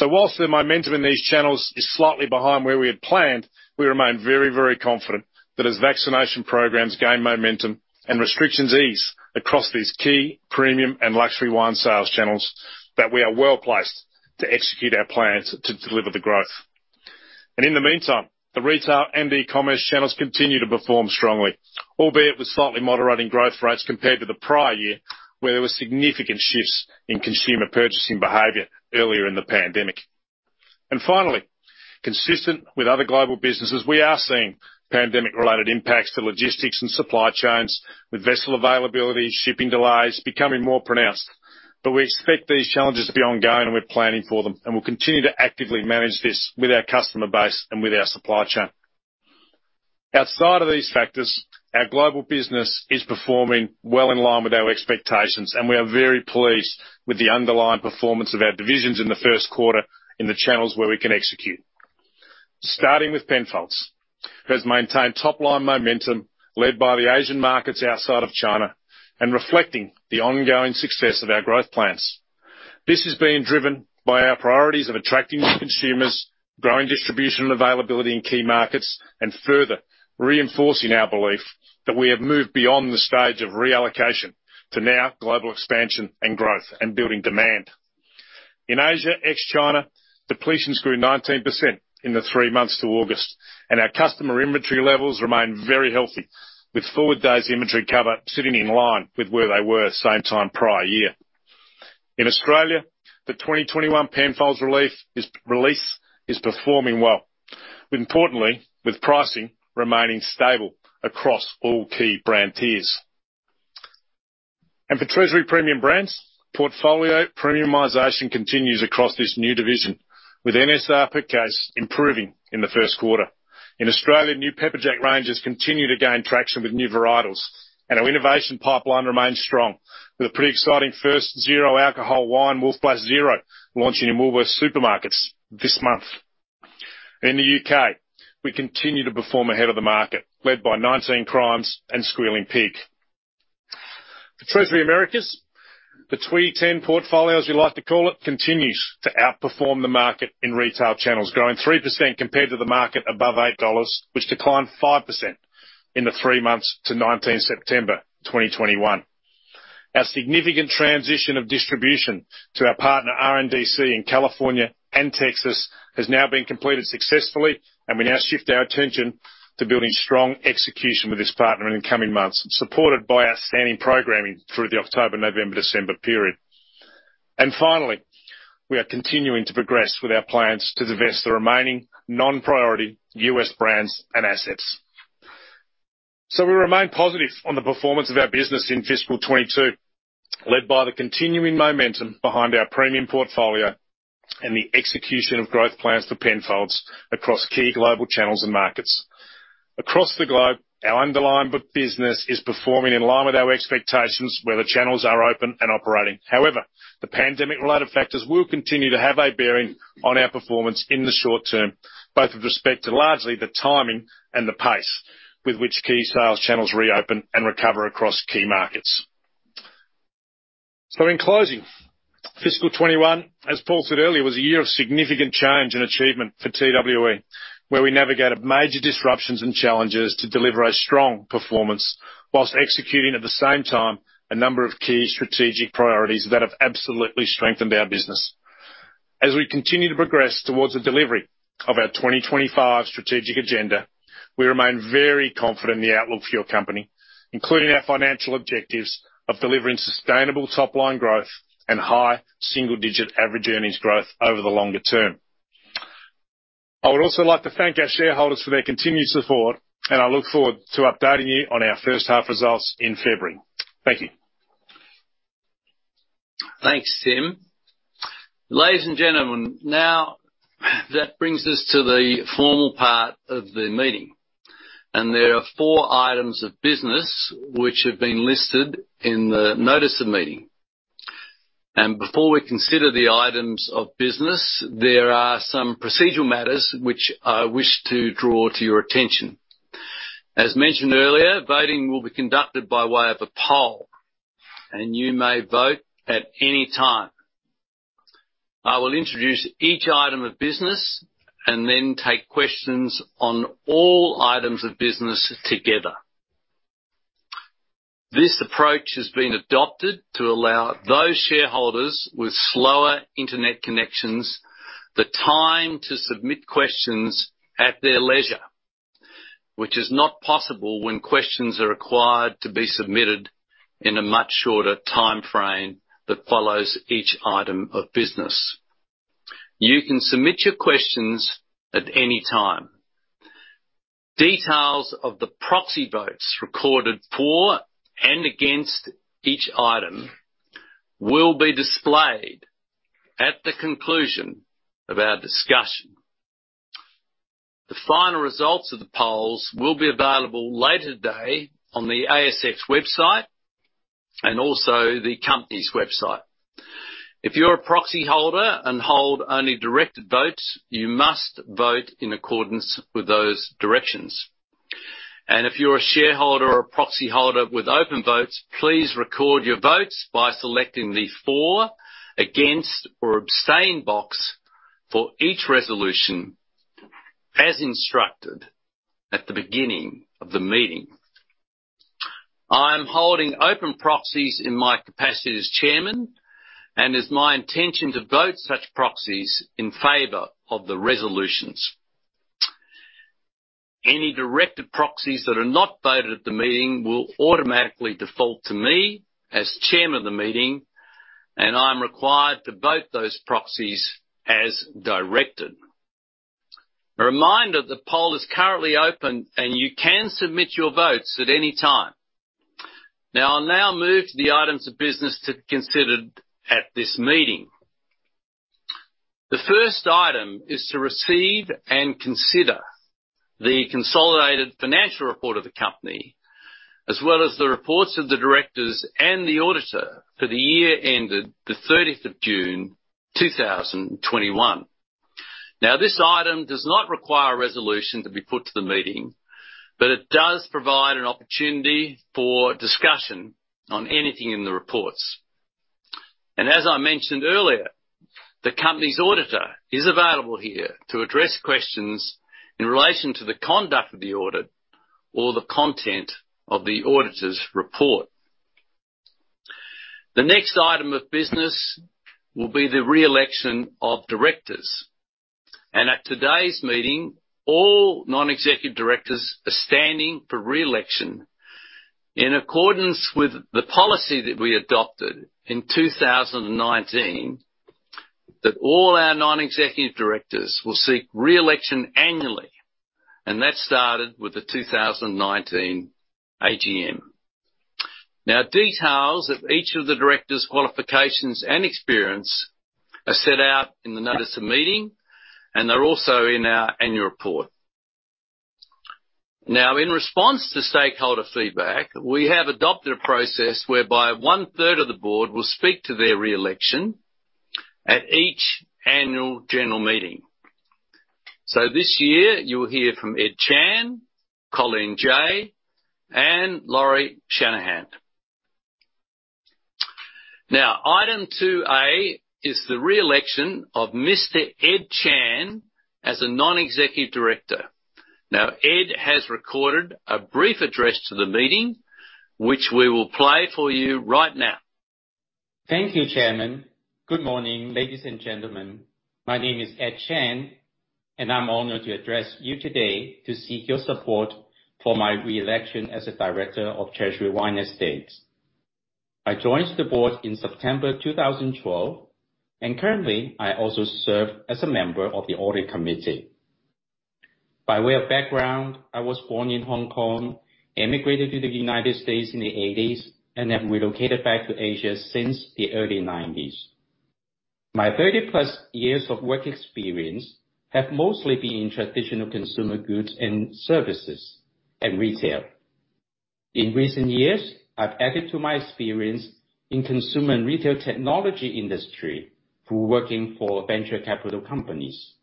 [SPEAKER 2] Whilst the momentum in these channels is slightly behind where we had planned, we remain very confident that as vaccination programs gain momentum and restrictions ease across these key premium and luxury wine sales channels, that we are well-placed to execute our plans to deliver the growth. In the meantime, the retail and E-Commerce channels continue to perform strongly, albeit with slightly moderating growth rates compared to the prior year, where there were significant shifts in consumer purchasing behavior earlier in the pandemic. Finally, consistent with other global businesses, we are seeing pandemic-related impacts to logistics and supply chains, with vessel availability, shipping delays becoming more pronounced. We expect these challenges to be ongoing, and we're planning for them. We'll continue to actively manage this with our customer base and with our supply chain. Outside of these factors, our global business is performing well in line with our expectations, and we are very pleased with the underlying performance of our divisions in the first quarter in the channels where we can execute. Starting with Penfolds, who has maintained top-line momentum led by the Asian markets outside of China and reflecting the ongoing success of our growth plans. This is being driven by our priorities of attracting new consumers, growing distribution and availability in key markets, and further reinforcing our belief that we have moved beyond the stage of reallocation to now global expansion and growth and building demand. In Asia, ex-China, depletions grew 19% in the three months to August, and our customer inventory levels remain very healthy, with forward days inventory cover sitting in line with where they were same time prior year. In Australia, the 2021 Penfolds release is performing well, importantly with pricing remaining stable across all key brand tiers. For Treasury Premium Brands, portfolio premiumization continues across this new division, with NSR per case improving in the first quarter. In Australia, new Pepperjack ranges continue to gain traction with new varietals, Our innovation pipeline remains strong, with a pretty exciting first zero-alcohol wine, Wolf Blass Zero, launching in Woolworths supermarkets this month. In the U.K., we continue to perform ahead of the market, led by 19 Crimes and Squealing Pig. For Treasury Americas, the TWE 10 portfolio, as we like to call it, continues to outperform the market in retail channels, growing 3% compared to the market above $8, which declined 5% in the three months to 19 September 2021. Our significant transition of distribution to our partner RNDC in California and Texas has now been completed successfully, and we now shift our attention to building strong execution with this partner in the coming months, supported by outstanding programming through the October, November, December period. Finally, we are continuing to progress with our plans to divest the remaining non-priority U.S. brands and assets. We remain positive on the performance of our business in fiscal 2022, led by the continuing momentum behind our premium portfolio and the execution of growth plans for Penfolds across key global channels and markets. Across the globe, our underlying business is performing in line with our expectations where the channels are open and operating. However, the pandemic-related factors will continue to have a bearing on our performance in the short term, both with respect to largely the timing and the pace with which key sales channels reopen and recover across key markets. In closing, fiscal 2021, as Paul Rayner said earlier, was a year of significant change and achievement for TWE, where we navigated major disruptions and challenges to deliver a strong performance, while executing at the same time a number of key strategic priorities that have absolutely strengthened our business. As we continue to progress towards the delivery of our TWE 2025 strategy, we remain very confident in the outlook for your company, including our financial objectives of delivering sustainable top-line growth and high single-digit average earnings growth over the longer term. I would also like to thank our shareholders for their continued support, and I look forward to updating you on our first half results in February. Thank you.
[SPEAKER 1] Thanks, Tim. Ladies and gentlemen, that brings us to the formal part of the meeting. There are four items of business which have been listed in the notice of meeting. Before we consider the items of business, there are some procedural matters which I wish to draw to your attention. As mentioned earlier, voting will be conducted by way of a poll. You may vote at any time. I will introduce each item of business. Then take questions on all items of business together. This approach has been adopted to allow those shareholders with slower internet connections the time to submit questions at their leisure, which is not possible when questions are required to be submitted in a much shorter timeframe that follows each item of business. You can submit your questions at any time. Details of the proxy votes recorded for and against each item will be displayed at the conclusion of our discussion. The final results of the polls will be available later today on the ASX website and also the company's website. If you're a proxy holder and hold only directed votes, you must vote in accordance with those directions. And if you're a shareholder or a proxy holder with open votes, please record your votes by selecting the for, against, or abstain box for each resolution as instructed at the beginning of the meeting. I am holding open proxies in my capacity as Chairman, and it's my intention to vote such proxies in favor of the resolutions. Any directed proxies that are not voted at the meeting will automatically default to me as chairman of the meeting, and I'm required to vote those proxies as directed. A reminder, the poll is currently open and you can submit your votes at any time. I'll now move to the items of business to be considered at this meeting. The first item is to receive and consider the consolidated financial report of the company, as well as the reports of the Directors and the Auditor for the year ended the 30th of June 2021. This item does not require a resolution to be put to the meeting, but it does provide an opportunity for discussion on anything in the reports. As I mentioned earlier, the company's Auditor is available here to address questions in relation to the conduct of the audit or the content of the auditor's report. The next item of business will be the re-election of Directors. At today's meeting, all non-executive directors are standing for re-election in accordance with the policy that we adopted in 2019, that all our Non-Executive Directors will seek re-election annually. That started with the 2019 AGM. Details of each of the Directors' qualifications and experience are set out in the notice of meeting, and they are also in our annual report. In response to stakeholder feedback, we have adopted a process whereby one-third of the Board will speak to their re-election at each annual general meeting. This year, you will hear from Ed Chan, Colleen Jay, and Lauri Shanahan. Item 2A is the re-election of Mr. Ed Chan as a Non-Executive Director. Ed has recorded a brief address to the meeting, which we will play for you right now.
[SPEAKER 3] Thank you, Chairman. Good morning ladies and gentlemen? My name is Ed Chan, I'm honored to address you today to seek your support for my re-election as a Director of Treasury Wine Estates. I joined the Board in September 2012, and currently, I also serve as a Member of the Audit Committee. By way of background, I was born in Hong Kong, emigrated to the U.S. in the 1980s, and have relocated back to Asia since the early 1990s. My 30+ years of work experience have mostly been in traditional consumer goods and services and retail. In recent years, I've added to my experience in consumer and retail technology industry through working for venture capital companies.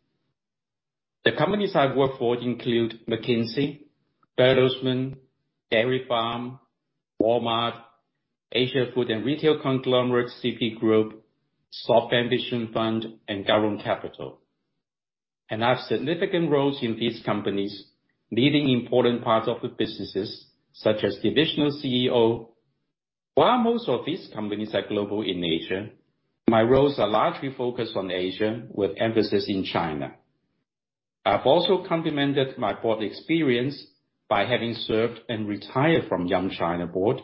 [SPEAKER 3] The companies I've worked for include McKinsey, Bertelsmann, Dairy Farm, Walmart, Asia Food and Retail Conglomerate, CP Group, SoftBank Vision Fund, and Gaorong Capital. I have significant roles in these companies, leading important parts of the businesses, such as Divisional Chief Executive Officer. While most of these companies are global in nature, my roles are largely focused on Asia with emphasis in China. I've also complemented my Board experience by having served and retired from Yum China Board,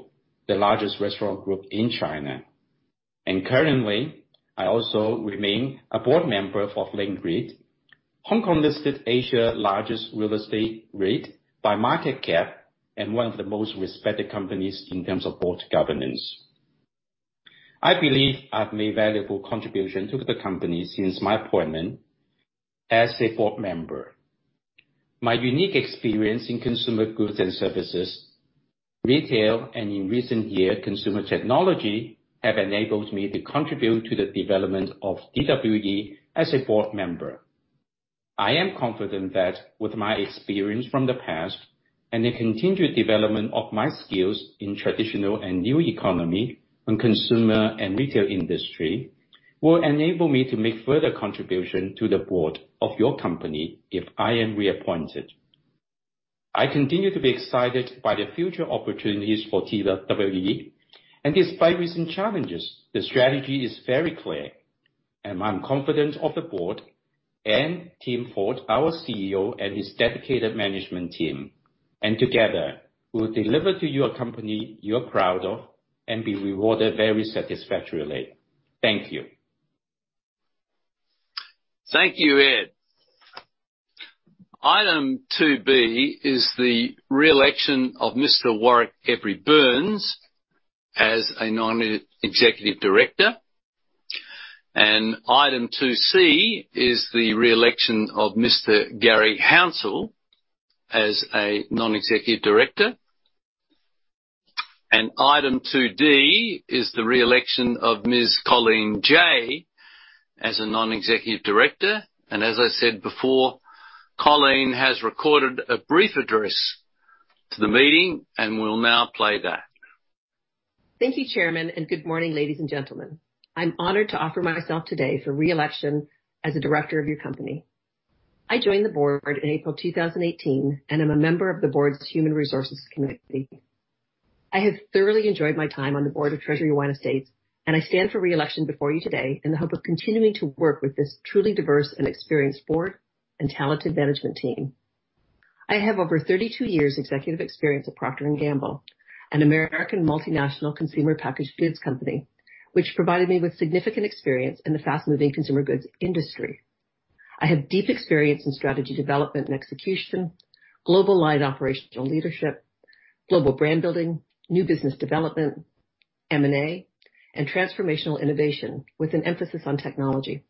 [SPEAKER 3] the largest restaurant group in China. Currently, I also remain a Board member for Link REIT, Hong Kong-listed Asia largest real estate REIT by market cap and one of the most respected companies in terms of Board Governance. I believe I've made valuable contribution to the company since my appointment as a Board member. My unique experience in consumer goods and services, retail, and in recent year, consumer technology, have enabled me to contribute to the development of TWE as a Board member. I am confident that with my experience from the past and the continued development of my skills in traditional and new economy on consumer and retail industry will enable me to make further contribution to the Board of your company if I am reappointed. I continue to be excited by the future opportunities for TWE. Despite recent challenges, the strategy is very clear, and I'm confident of the Board and Tim Ford, our Chief Executive Officer, and his dedicated Management team. Together, we'll deliver to you a company you're proud of and be rewarded very satisfactorily. Thank you.
[SPEAKER 1] Thank you, Ed. Item 2B is the re-election of Mr. Warwick Every-Burns as a Non-Executive Director. Item 2C is the re-election of Mr. Garry Hounsell as a Non-Executive Director. Item 2D is the re-election of Ms. Colleen Jay as a Non-Executive Director. As I said before, Colleen has recorded a brief address to the meeting, and we'll now play that.
[SPEAKER 4] Thank you, Chairman. Good morning, ladies and gentlemen? I'm honored to offer myself today for re-election as a director of your company. I joined the Board in April 2018 and am a member of the Board's Human Resources Committee. I have thoroughly enjoyed my time on the Board of Treasury Wine Estates, and I stand for re-election before you today in the hope of continuing to work with this truly diverse and experienced Board and talented Management team. I have over 32 years executive experience at Procter & Gamble, an American multinational consumer packaged goods company, which provided me with significant experience in the fast-moving consumer goods industry. I have deep experience in strategy development and execution, global line operational leadership, global brand building, new business development, M&A, and transformational innovation, with an emphasis on technology.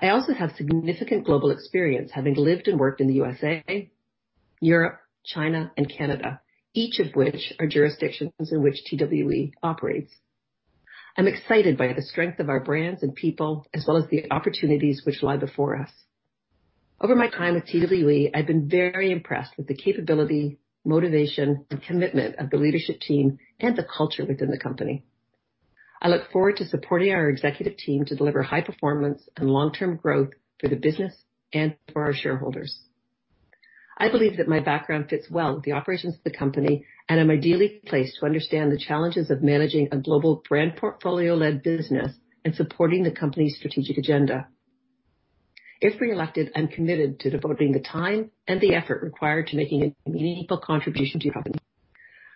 [SPEAKER 4] I also have significant global experience, having lived and worked in the USA, Europe, China, and Canada, each of which are jurisdictions in which TWE operates. I'm excited by the strength of our brands and people, as well as the opportunities which lie before us. Over my time at TWE, I've been very impressed with the capability, motivation, and commitment of the leadership team and the culture within the company. I look forward to supporting our executive team to deliver high performance and long-term growth for the business and for our shareholders. I believe that my background fits well with the operations of the company, and I'm ideally placed to understand the challenges of managing a global brand portfolio-led business and supporting the company's strategic agenda. If re-elected, I'm committed to devoting the time and the effort required to making a meaningful contribution to your company.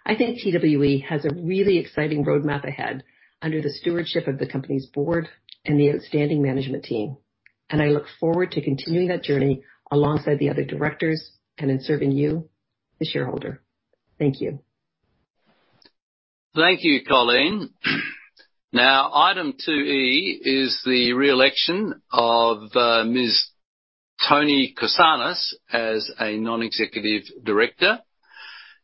[SPEAKER 4] I think TWE has a really exciting roadmap ahead under the stewardship of the company's Board and the outstanding management team, and I look forward to continuing that journey alongside the other directors and in serving you, the shareholder. Thank you.
[SPEAKER 1] Thank you, Colleen. Now, item 2E is the re-election of Ms. Toni Korsanos as a Non-Executive Director,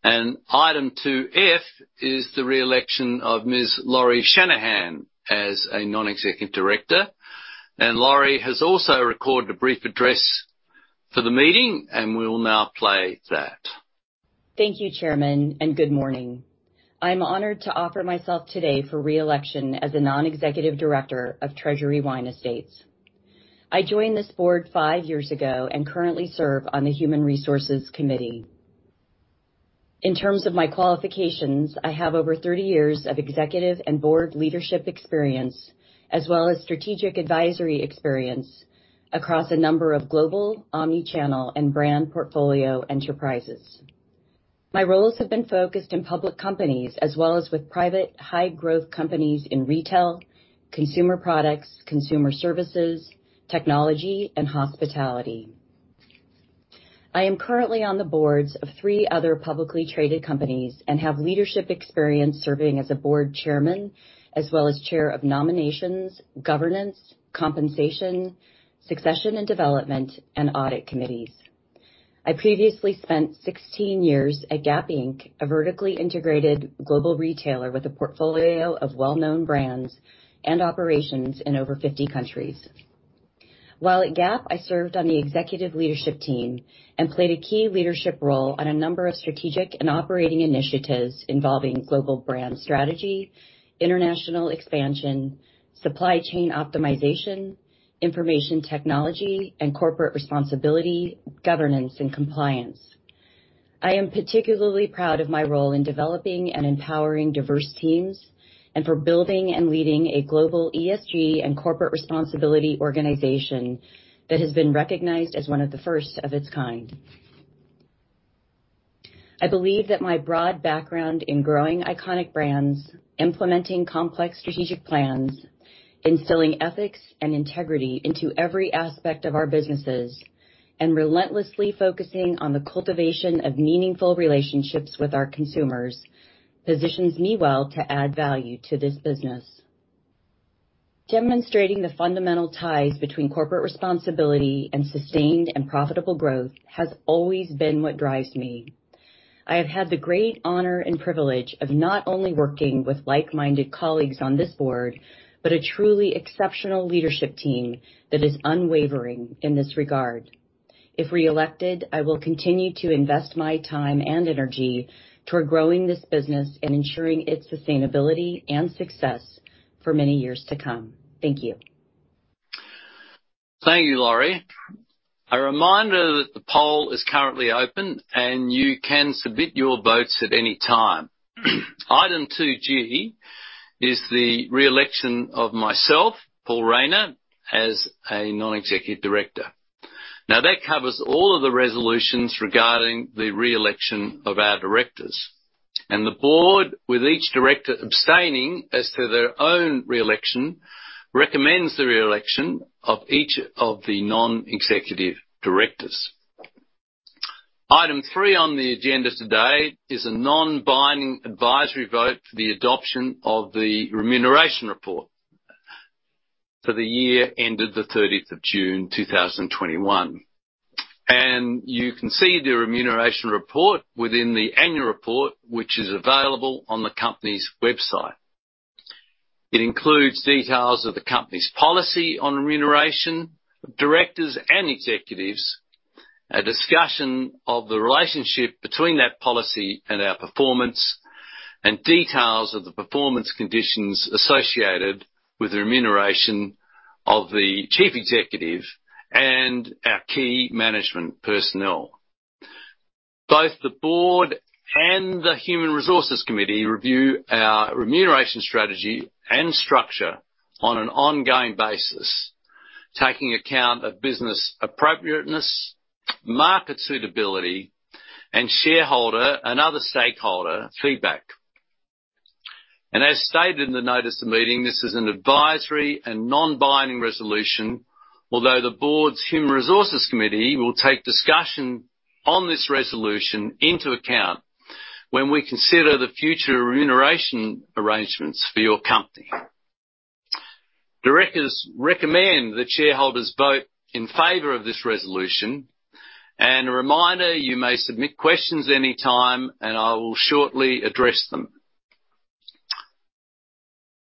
[SPEAKER 1] and item 2F is the re-election of Ms. Lauri Shanahan as a Non-Executive Director. Lauri has also recorded a brief address for the meeting, and we'll now play that.
[SPEAKER 5] Thank you, Chairman, and good morning? I am honored to offer myself today for re-election as a Non-Executive Director of Treasury Wine Estates. I joined this Board five years ago and currently serve on the Human Resources Committee. In terms of my qualifications, I have over 30 years of Executive and Board leadership experience, as well as strategic advisory experience across a number of global, omni-channel, and brand portfolio enterprises. My roles have been focused in public companies as well as with private high-growth companies in retail, consumer products, consumer services, technology, and hospitality. I am currently on the Boards of three other publicly traded companies and have leadership experience serving as a Board Chairman, as well as Chair of Nominations, Governance, Compensation, Succession and Development, and Audit Committees. I previously spent 16 years at Gap Inc., a vertically integrated global retailer with a portfolio of well-known brands and operations in over 50 countries. While at Gap, I served on the Executive Leadership team and played a key leadership role on a number of strategic and operating initiatives involving global brand strategy, international expansion, supply chain optimization, information technology, and corporate responsibility, governance, and compliance. I am particularly proud of my role in developing and empowering diverse teams and for building and leading a global ESG and corporate responsibility organization that has been recognized as one of the first of its kind. I believe that my broad background in growing iconic brands, implementing complex strategic plans, instilling ethics and integrity into every aspect of our businesses, and relentlessly focusing on the cultivation of meaningful relationships with our consumers, positions me well to add value to this business. Demonstrating the fundamental ties between corporate responsibility and sustained and profitable growth has always been what drives me. I have had the great honor and privilege of not only working with like-minded colleagues on this Board, but a truly exceptional leadership team that is unwavering in this regard. If re-elected, I will continue to invest my time and energy toward growing this business and ensuring its sustainability and success for many years to come. Thank you.
[SPEAKER 1] Thank you, Lauri. A reminder that the poll is currently open. You can submit your votes at any time. Item 2G is the re-election of myself, Paul Rayner, as a Non-Executive Director. That covers all of the resolutions regarding the re-election of our Directors. The Board, with each Director abstaining as to their own re-election, recommends the re-election of each of the Non-Executive Directors. Item three on the agenda today is a non-binding advisory vote for the adoption of the remuneration report for the year ended the 30th of June 2021. You can see the remuneration report within the annual report, which is available on the company's website. It includes details of the company's policy on remuneration of Directors and Executives, a discussion of the relationship between that policy and our performance, and details of the performance conditions associated with the remuneration of the Chief Executive and our key Management personnel. Both the Board and the Human Resources Committee review our remuneration strategy and structure on an ongoing basis, taking account of business appropriateness, market suitability, and shareholder and other stakeholder feedback. As stated in the notice of the meeting, this is an advisory and non-binding resolution, although the Board's Human Resources Committee will take discussion on this resolution into account when we consider the future remuneration arrangements for your company. Directors recommend that shareholders vote in favor of this resolution. A reminder, you may submit questions any time, and I will shortly address them.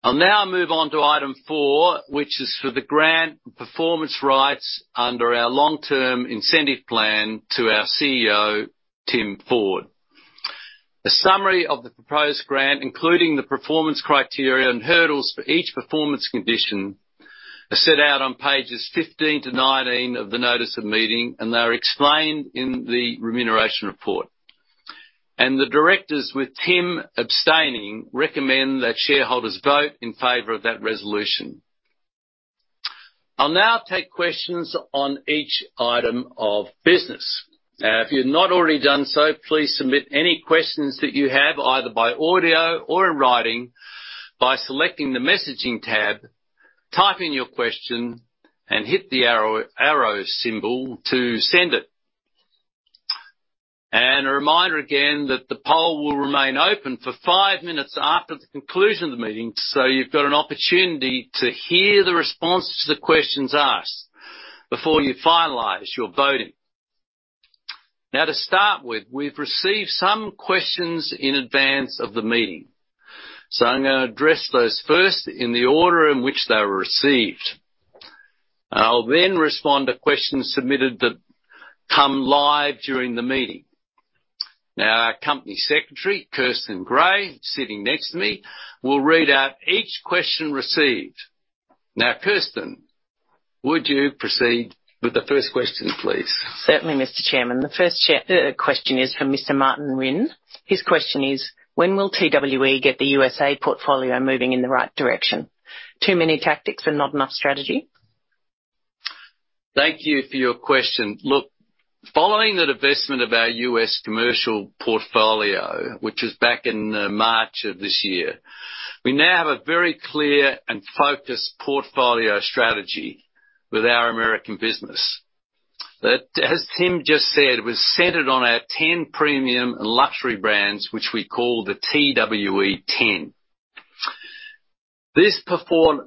[SPEAKER 1] I'll now move on to item four, which is for the grant of performance rights under our long-term incentive plan to our Chief Executive Officer, Tim Ford. A summary of the proposed grant, including the performance criteria and hurdles for each performance condition, are set out on pages 15 to 19 of the notice of meeting. They are explained in the remuneration report. The directors, with Tim abstaining, recommend that shareholders vote in favor of that resolution. I'll now take questions on each item of business. If you've not already done so, please submit any questions that you have either by audio or in writing by selecting the Messaging tab, typing your question, and hit the arrow symbol to send it. A reminder again that the poll will remain open for 5 minutes after the conclusion of the meeting, so you've got an opportunity to hear the responses to the questions asked before you finalize your voting. To start with, we've received some questions in advance of the meeting. I'm going to address those first in the order in which they were received. I'll then respond to questions submitted that come live during the meeting. Our Company Secretary, Kirsten Gray, sitting next to me, will read out each question received. Kirsten, would you proceed with the first question, please?
[SPEAKER 6] Certainly, Mr. Chairman. The first question is from Mr. Martin Rynn. His question is, when will TWE get the USA portfolio moving in the right direction? Too many tactics and not enough strategy.
[SPEAKER 1] Thank you for your question. Following the divestment of our U.S. commercial portfolio, which was back in March of this year, we now have a very clear and focused portfolio strategy with our American business that, as Tim just said, was centered on our 10 premium luxury brands, which we call the TWE 10. This portfolio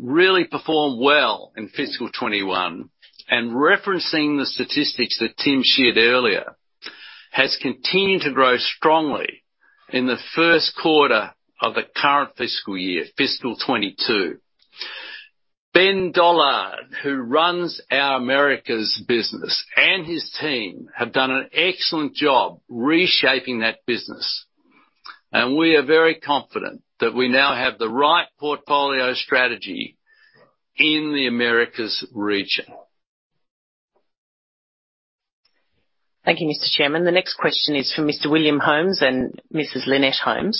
[SPEAKER 1] really performed well in fiscal 2021, and referencing the statistics that Tim shared earlier, has continued to grow strongly in the first quarter of the current fiscal year, fiscal 2022. Ben Dollard, who runs our Americas business, and his team have done an excellent job reshaping that business, and we are very confident that we now have the right portfolio strategy in the Americas region.
[SPEAKER 6] Thank you, Mr. Chairman. The next question is from Mr. William Holmes and Mrs. Lynette Holmes.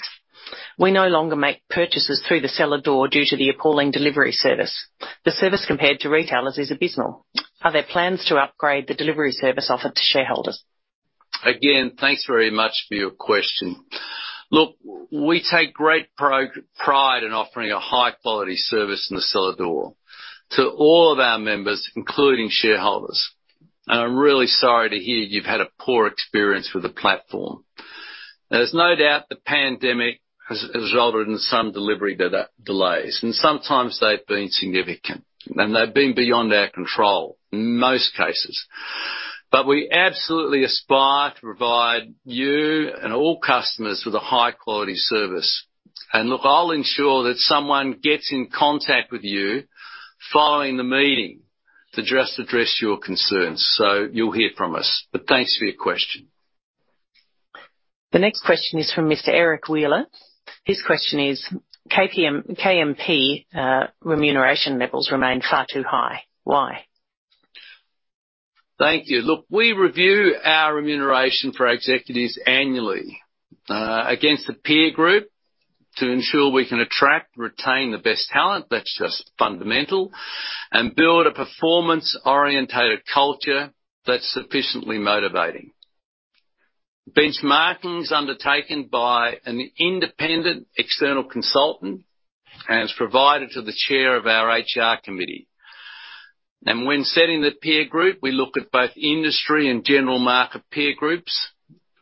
[SPEAKER 6] We no longer make purchases through The Cellar Door due to the appalling delivery service. The service compared to retailers is abysmal. Are there plans to upgrade the delivery service offered to shareholders?
[SPEAKER 1] Thanks very much for your question. Look, we take great pride in offering a high-quality service in The Cellar Door to all of our members, including shareholders. I'm really sorry to hear you've had a poor experience with the platform. There's no doubt the pandemic has resulted in some delivery delays, and sometimes they've been significant, and they've been beyond our control in most cases. We absolutely aspire to provide you and all customers with a high-quality service. Look, I'll ensure that someone gets in contact with you following the meeting to just address your concerns. You'll hear from us. Thanks for your question.
[SPEAKER 6] The next question is from Mr. Eric Wheeler. His question is: KMP remuneration levels remain far too high. Why?
[SPEAKER 1] Thank you. Look, we review our remuneration for Executives annually against the peer group to ensure we can attract and retain the best talent, that's just fundamental, and build a performance-orientated culture that's sufficiently motivating. Benchmarking is undertaken by an Independent External Consultant and is provided to the Chair of our HR Committee. When setting the peer group, we look at both industry and general market peer groups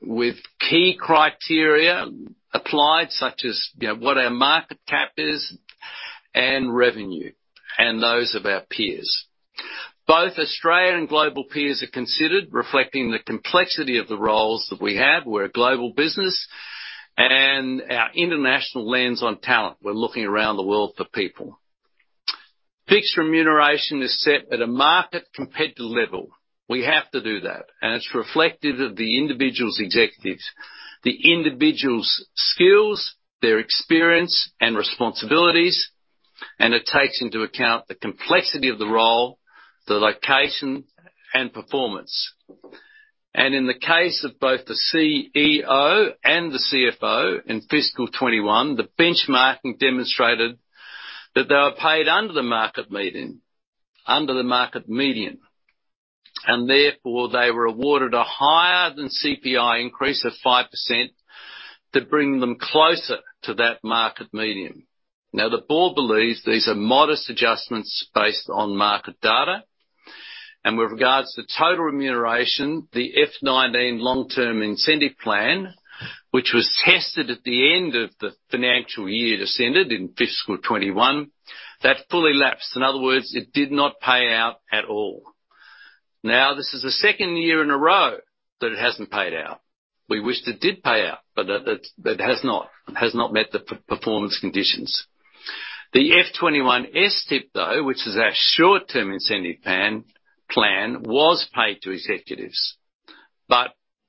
[SPEAKER 1] with key criteria applied, such as what our market cap is and revenue, and those of our peers. Both Australian and global peers are considered, reflecting the complexity of the roles that we have. We're a global business and our international lens on talent. We're looking around the world for people. Fixed remuneration is set at a market competitive level. We have to do that. It's reflective of the individual executives, the individual's skills, their experience and responsibilities, and it takes into account the complexity of the role, the location, and performance. In the case of both the Chief Executive Officer and the Chief Financial Officer in fiscal 2021, the benchmarking demonstrated that they were paid under the market median, and therefore they were awarded a higher-than-CPI increase of 5% to bring them closer to that market median. The Board believes these are modest adjustments based on market data, and with regards to total remuneration, the FY 2019 long-term incentive plan, which was tested at the end of the financial year it ascended in fiscal 2021, that fully lapsed. In other words, it did not pay out at all. This is the second year in a row that it hasn't paid out. We wish it did pay out, but it has not met the performance conditions. The FY 2021 STIP, though, which is our Short-Term Incentive Plan, was paid to executives.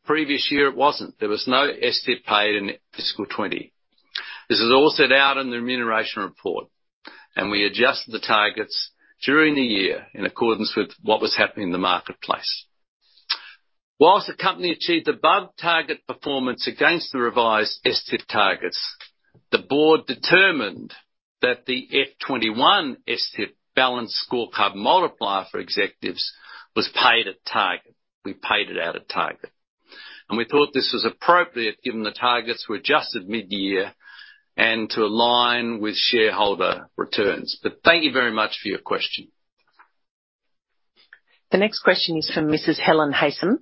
[SPEAKER 1] Previous year, it wasn't. There was no STIP paid in fiscal 2020. This is all set out in the Remuneration Report, and we adjust the targets during the year in accordance with what was happening in the marketplace. Whilst the company achieved above-target performance against the revised STIP targets, the Board determined that the FY 2021 STIP balanced scorecard multiplier for executives was paid at target. We paid it out at target. We thought this was appropriate given the targets were adjusted mid-year and to align with shareholder returns. Thank you very much for your question.
[SPEAKER 6] The next question is from Mrs. Helen Haysom.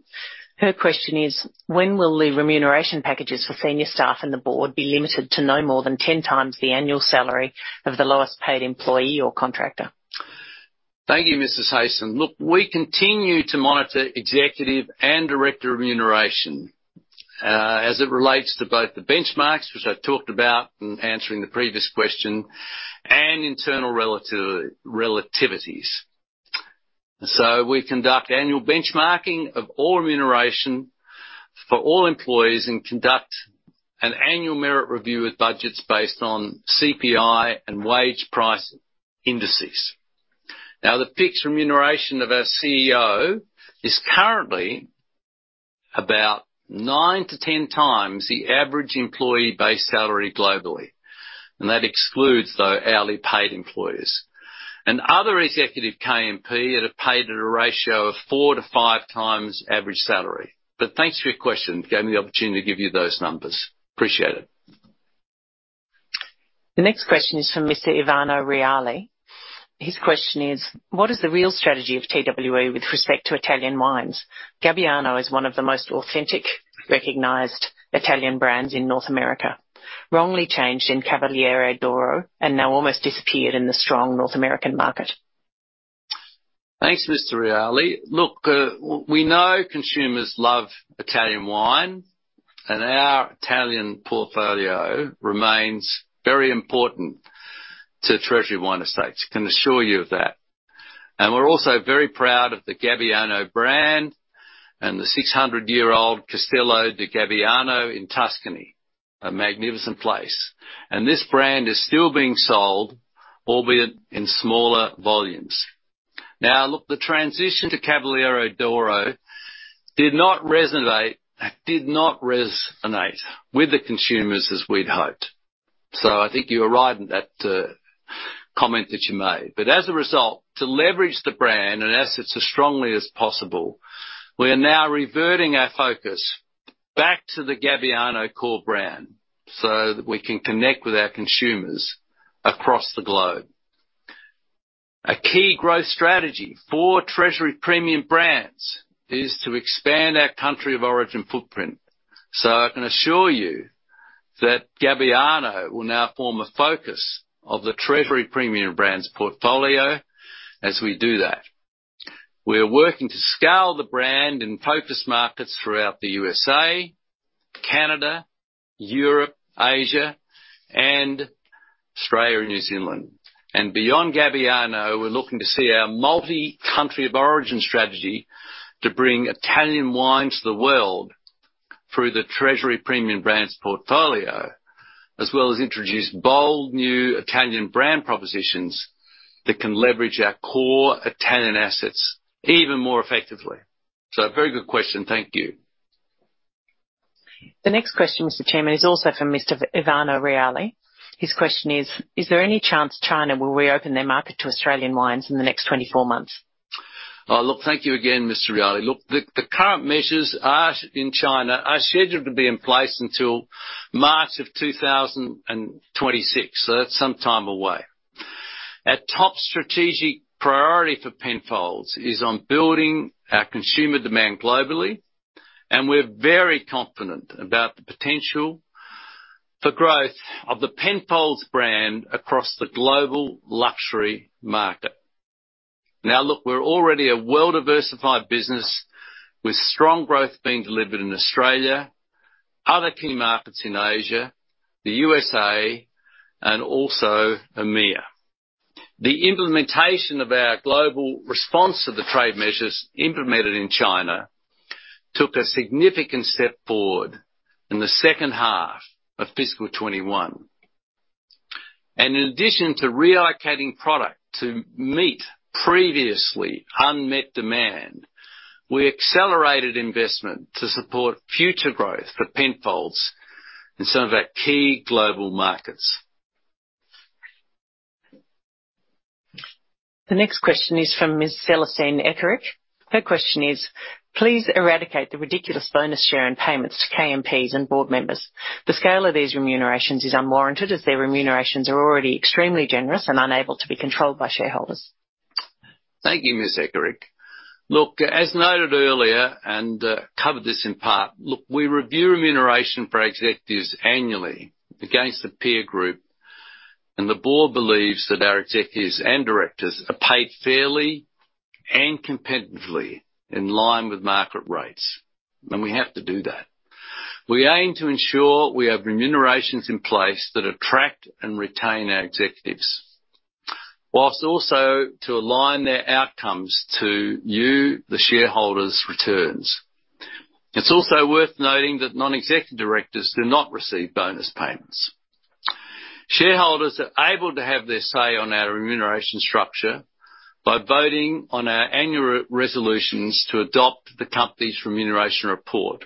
[SPEAKER 6] Her question is: When will the remuneration packages for senior staff and the Board be limited to no more than 10x the annual salary of the lowest-paid employee or contractor?
[SPEAKER 1] Thank you, Mrs. Haysom. We continue to monitor executive and director remuneration, as it relates to both the benchmarks, which I talked about in answering the previous question, and internal relativities. We conduct annual benchmarking of all remuneration for all employees and conduct an annual merit review with budgets based on CPI and wage price indices. The fixed remuneration of our Chief Executive Officer is currently about 9x to 10x the average employee base salary globally, and that excludes, though, hourly paid employees. Other executive KMP are paid at a ratio of 4x to 5x average salary. Thanks for your question. It gave me the opportunity to give you those numbers. Appreciate it.
[SPEAKER 6] The next question is from Mr. Ivano Reali. His question is: What is the real strategy of TWE with respect to Italian wines? Gabbiano is one of the most authentic, recognized Italian brands in North America, wrongly changed in Cavaliere d'Oro, and now almost disappeared in the strong North American market.
[SPEAKER 1] Thanks, Mr. Reali. Look, we know consumers love Italian wine, and our Italian portfolio remains very important to Treasury Wine Estates. I can assure you of that. We're also very proud of the Gabbiano brand and the 600-year-old Castello di Gabbiano in Tuscany, a magnificent place. This brand is still being sold, albeit in smaller volumes. Now, look, the transition to Cavaliere d'Oro did not resonate with the consumers as we'd hoped. I think you are right in that comment that you made. As a result, to leverage the brand and assets as strongly as possible, we are now reverting our focus back to the Gabbiano core brand so that we can connect with our consumers across the globe. A key growth strategy for Treasury Premium Brands is to expand our country of origin footprint. I can assure you that Gabbiano will now form a focus of the Treasury Premium Brands portfolio as we do that. We are working to scale the brand in focus markets throughout the U.S.A., Canada, Europe, Asia, and Australia and New Zealand. Beyond Gabbiano, we're looking to see our multi-country of origin strategy to bring Italian wine to the world through the Treasury Premium Brands portfolio, as well as introduce bold new Italian brand propositions that can leverage our core Italian assets even more effectively. A very good question. Thank you.
[SPEAKER 6] The next question, Mr. Chairman, is also from Mr. Ivano Reali. His question is. Is there any chance China will reopen their market to Australian wines in the next 24 months?
[SPEAKER 1] Oh, look, thank you again, Mr. Reali. Look, the current measures in China are scheduled to be in place until March of 2026, so that's some time away. Our top strategic priority for Penfolds is on building our consumer demand globally, and we're very confident about the potential for growth of the Penfolds brand across the global luxury market. Now, look, we're already a well-diversified business with strong growth being delivered in Australia, other key markets in Asia, the U.S.A., and also EMEA. The implementation of our global response to the trade measures implemented in China took a significant step forward in the second half of fiscal 2021. In addition to relocating product to meet previously unmet demand, we accelerated investment to support future growth for Penfolds in some of our key global markets.
[SPEAKER 6] The next question is from Ms. Celestine Ekerik. Her question is: Please eradicate the ridiculous bonus share and payments to KMPs and Board members. The scale of these remunerations is unwarranted as their remunerations are already extremely generous and unable to be controlled by shareholders.
[SPEAKER 1] Thank you, Ms. Ekerik. As noted earlier, and covered this in part, we review remuneration for our Executives annually against the peer group, and the Board believes that our executives and directors are paid fairly and competitively in line with market rates. We have to do that. We aim to ensure we have remunerations in place that attract and retain our Executives, while also to align their outcomes to you, the shareholders' returns. It's also worth noting that non-executive directors do not receive bonus payments. Shareholders are able to have their say on our remuneration structure by voting on our annual resolutions to adopt the company's remuneration report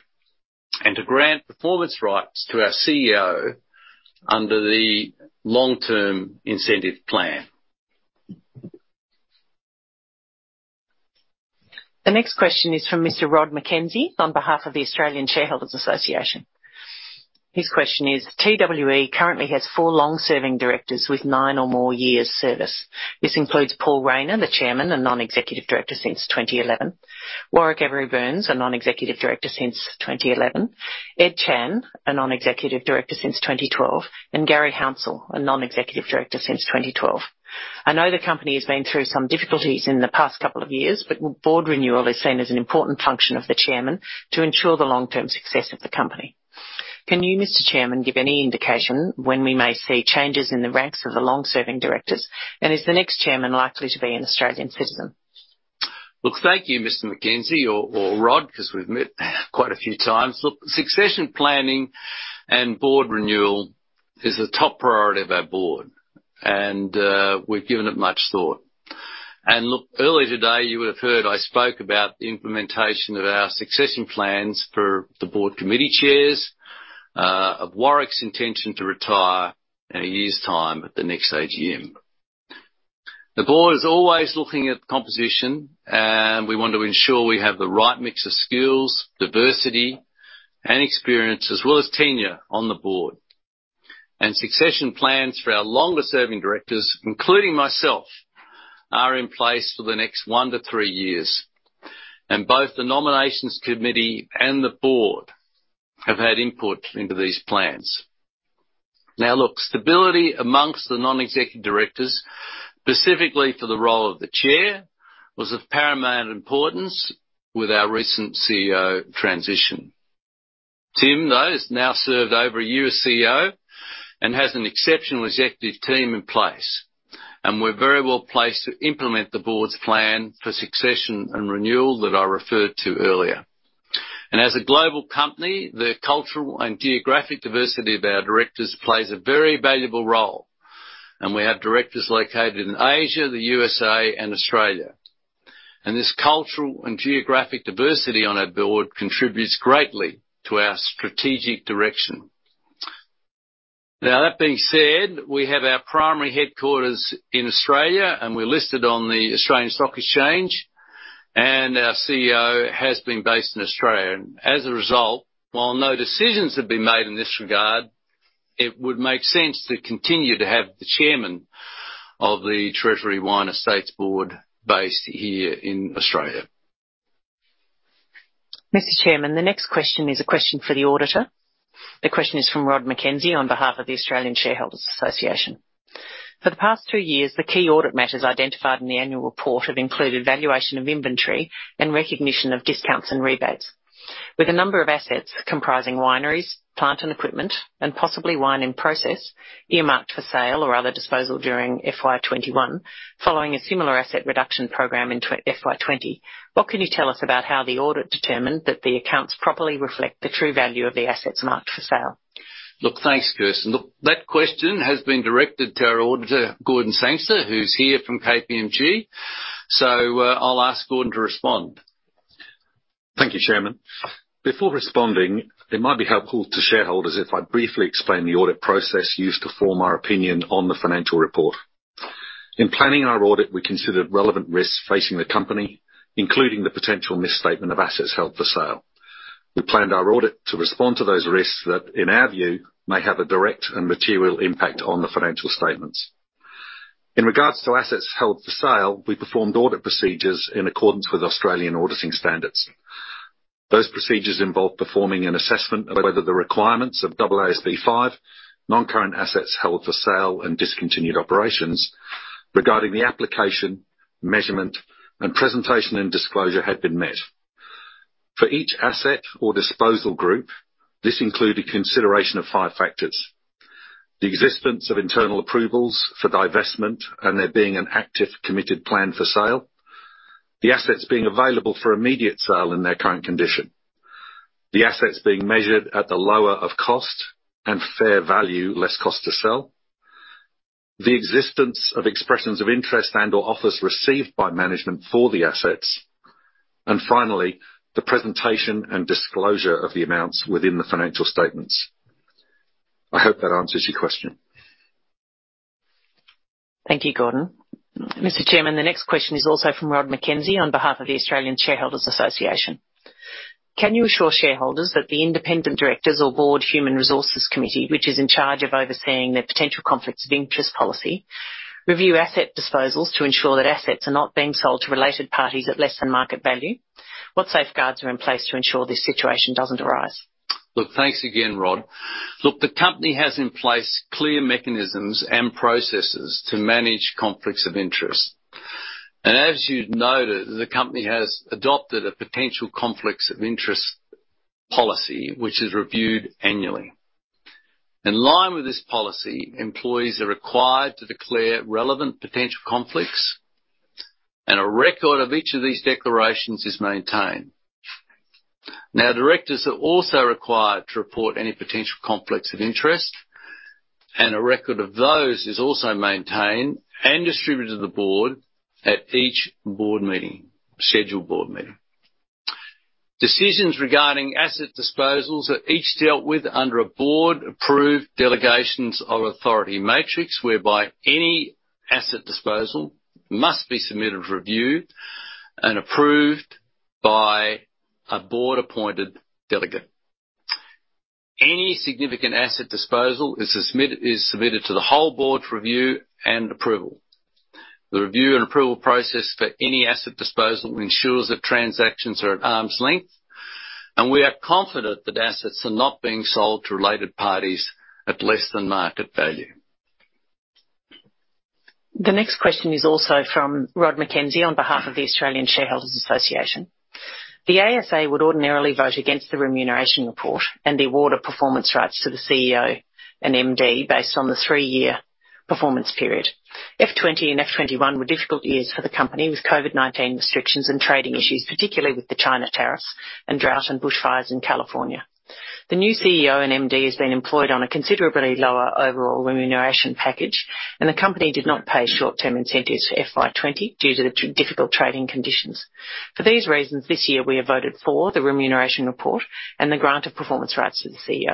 [SPEAKER 1] and to grant performance rights to our Chief Executive Officer under the Long-Term Incentive Plan.
[SPEAKER 6] The next question is from Mr. Rod McKenzie on behalf of the Australian Shareholders' Association. His question is: TWE currently has four long-serving Directors with nine or more years' service. This includes Paul Rayner, the Chairman and Non-Executive Director since 2011, Warwick Every-Burns, a Non-Executive Director since 2011, Ed Chan, a Non-Executive Director since 2012, and Garry Hounsell, a Non-Executive Director since 2012. I know the company has been through some difficulties in the past couple of years, Board renewal is seen as an important function of the Chairman to ensure the long-term success of the company. Can you, Mr. Chairman, give any indication when we may see changes in the ranks of the long-serving Directors? Is the next Chairman likely to be an Australian citizen?
[SPEAKER 1] Look, thank you, Mr. McKenzie or Rod, because we've met quite a few times. Look, succession planning and Board renewal is the top priority of our Board. We've given it much thought. Look, earlier today, you would have heard I spoke about the implementation of our succession plans for the Board Committee chairs, of Warwick's intention to retire in a year's time at the next AGM. The Board is always looking at composition. We want to ensure we have the right mix of skills, diversity, and experience, as well as tenure on the Board. Succession plans for our longer-serving Directors, including myself, are in place for the next one-three years. Both the nominations Committee and the Board have had input into these plans. Look, stability amongst the Non-Executive Directors, specifically for the role of the Chair, was of paramount importance with our recent Chief Executive Officer transition. Tim, though, has now served over a year as Chief Executive Officer and has an exceptional Executive team in place. We're very well placed to implement the Board's plan for succession and renewal that I referred to earlier. As a global company, the cultural and geographic diversity of our directors plays a very valuable role. We have Directors located in Asia, the U.S.A., and Australia. This cultural and geographic diversity on our Board contributes greatly to our strategic direction. That being said, we have our primary headquarters in Australia. We're listed on the Australian Stock Exchange, and our Chief Executive Officer has been based in Australia. As a result, while no decisions have been made in this regard, it would make sense to continue to have the Chairman of the Treasury Wine Estates Board based here in Australia.
[SPEAKER 6] Mr. Chairman, the next question is a question for the Auditor. The question is from Rod McKenzie on behalf of the Australian Shareholders' Association. For the past two years, the key audit matters identified in the annual report have included valuation of inventory and recognition of discounts and rebates. With a number of assets comprising wineries, plant and equipment, and possibly wine in process, earmarked for sale or other disposal during FY 2021, following a similar asset reduction program in FY 2020, what can you tell us about how the audit determined that the accounts properly reflect the true value of the assets marked for sale?
[SPEAKER 1] Thanks, Kirsten. That question has been directed to our Auditor, Gordon Sangster, who's here from KPMG. I'll ask Gordon to respond.
[SPEAKER 7] Thank you, Chairman. Before responding, it might be helpful to shareholders if I briefly explain the audit process used to form our opinion on the financial report. In planning our audit, we considered relevant risks facing the company, including the potential misstatement of assets held for sale. We planned our audit to respond to those risks that, in our view, may have a direct and material impact on the financial statements. In regards to assets held for sale, we performed audit procedures in accordance with Australian auditing standards. Those procedures involved performing an assessment of whether the requirements of AASB 5, non-current assets held for sale and discontinued operations, regarding the application, measurement, and presentation and disclosure had been met. For each asset or disposal group, this included consideration of five factors, the existence of internal approvals for divestment and there being an active, committed plan for sale, the assets being available for immediate sale in their current condition, the assets being measured at the lower of cost and fair value, less cost to sell, the existence of expressions of interest and/or offers received by management for the assets, and finally, the presentation and disclosure of the amounts within the financial statements. I hope that answers your question.
[SPEAKER 6] Thank you, Gordon. Mr. Chairman, the next question is also from Rod McKenzie on behalf of the Australian Shareholders' Association. Can you assure shareholders that the Independent Directors or Board Human Resources Committee, which is in charge of overseeing the potential conflicts of interest policy, review asset disposals to ensure that assets are not being sold to related parties at less than market value? What safeguards are in place to ensure this situation doesn't arise?
[SPEAKER 1] Thanks again, Rod. The company has in place clear mechanisms and processes to manage conflicts of interest. As you noted, the company has adopted a potential conflicts of interest policy, which is reviewed annually. In line with this policy, employees are required to declare relevant potential conflicts, and a record of each of these declarations is maintained. Directors are also required to report any potential conflicts of interest, and a record of those is also maintained and distributed to the Board at each scheduled Board meeting. Decisions regarding asset disposals are each dealt with under a Board-approved delegations of authority matrix, whereby any asset disposal must be submitted, reviewed, and approved by a Board-appointed delegate. Any significant asset disposal is submitted to the whole Board for review and approval. The review and approval process for any asset disposal ensures that transactions are at arm's length, and we are confident that assets are not being sold to related parties at less than market value.
[SPEAKER 6] The next question is also from Rod McKenzie on behalf of the Australian Shareholders' Association. The ASA would ordinarily vote against the remuneration report and the award of performance rights to the Chief Executive Officer and Managing Director based on the three-year performance period. FY 2020 and FY 2021 were difficult years for the company, with COVID-19 restrictions and trading issues, particularly with the China tariffs and drought and bushfires in California. The new Chief Executive Officer and Managing Director has been employed on a considerably lower overall remuneration package, and the company did not pay short-term incentives for FY 2020 due to the difficult trading conditions. For these reasons, this year, we have voted for the remuneration report and the grant of performance rights to the Chief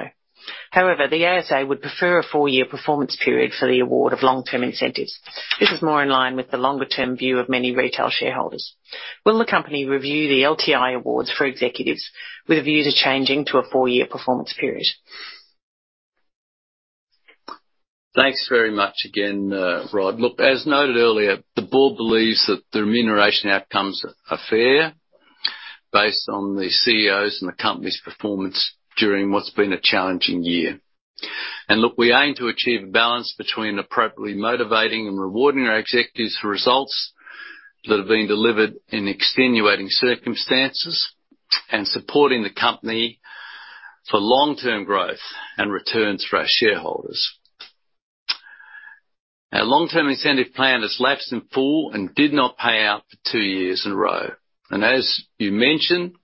[SPEAKER 6] Executive Officer. However, the ASA would prefer a four-year performance period for the award of long-term incentives. This is more in line with the longer-term view of many retail shareholders. Will the company review the LTI awards for executives with a view to changing to a four-year performance period?
[SPEAKER 1] Thanks very much again, Rod. As noted earlier, the Board believes that the remuneration outcomes are fair based on the Chief Executive Officer's and the company's performance during what's been a challenging year. We aim to achieve a balance between appropriately motivating and rewarding our Executives for results that have been delivered in extenuating circumstances and supporting the company for long-term growth and returns for our shareholders. Our long-term incentive plan has lapsed in full and did not pay out for two years in a row. As you mentioned,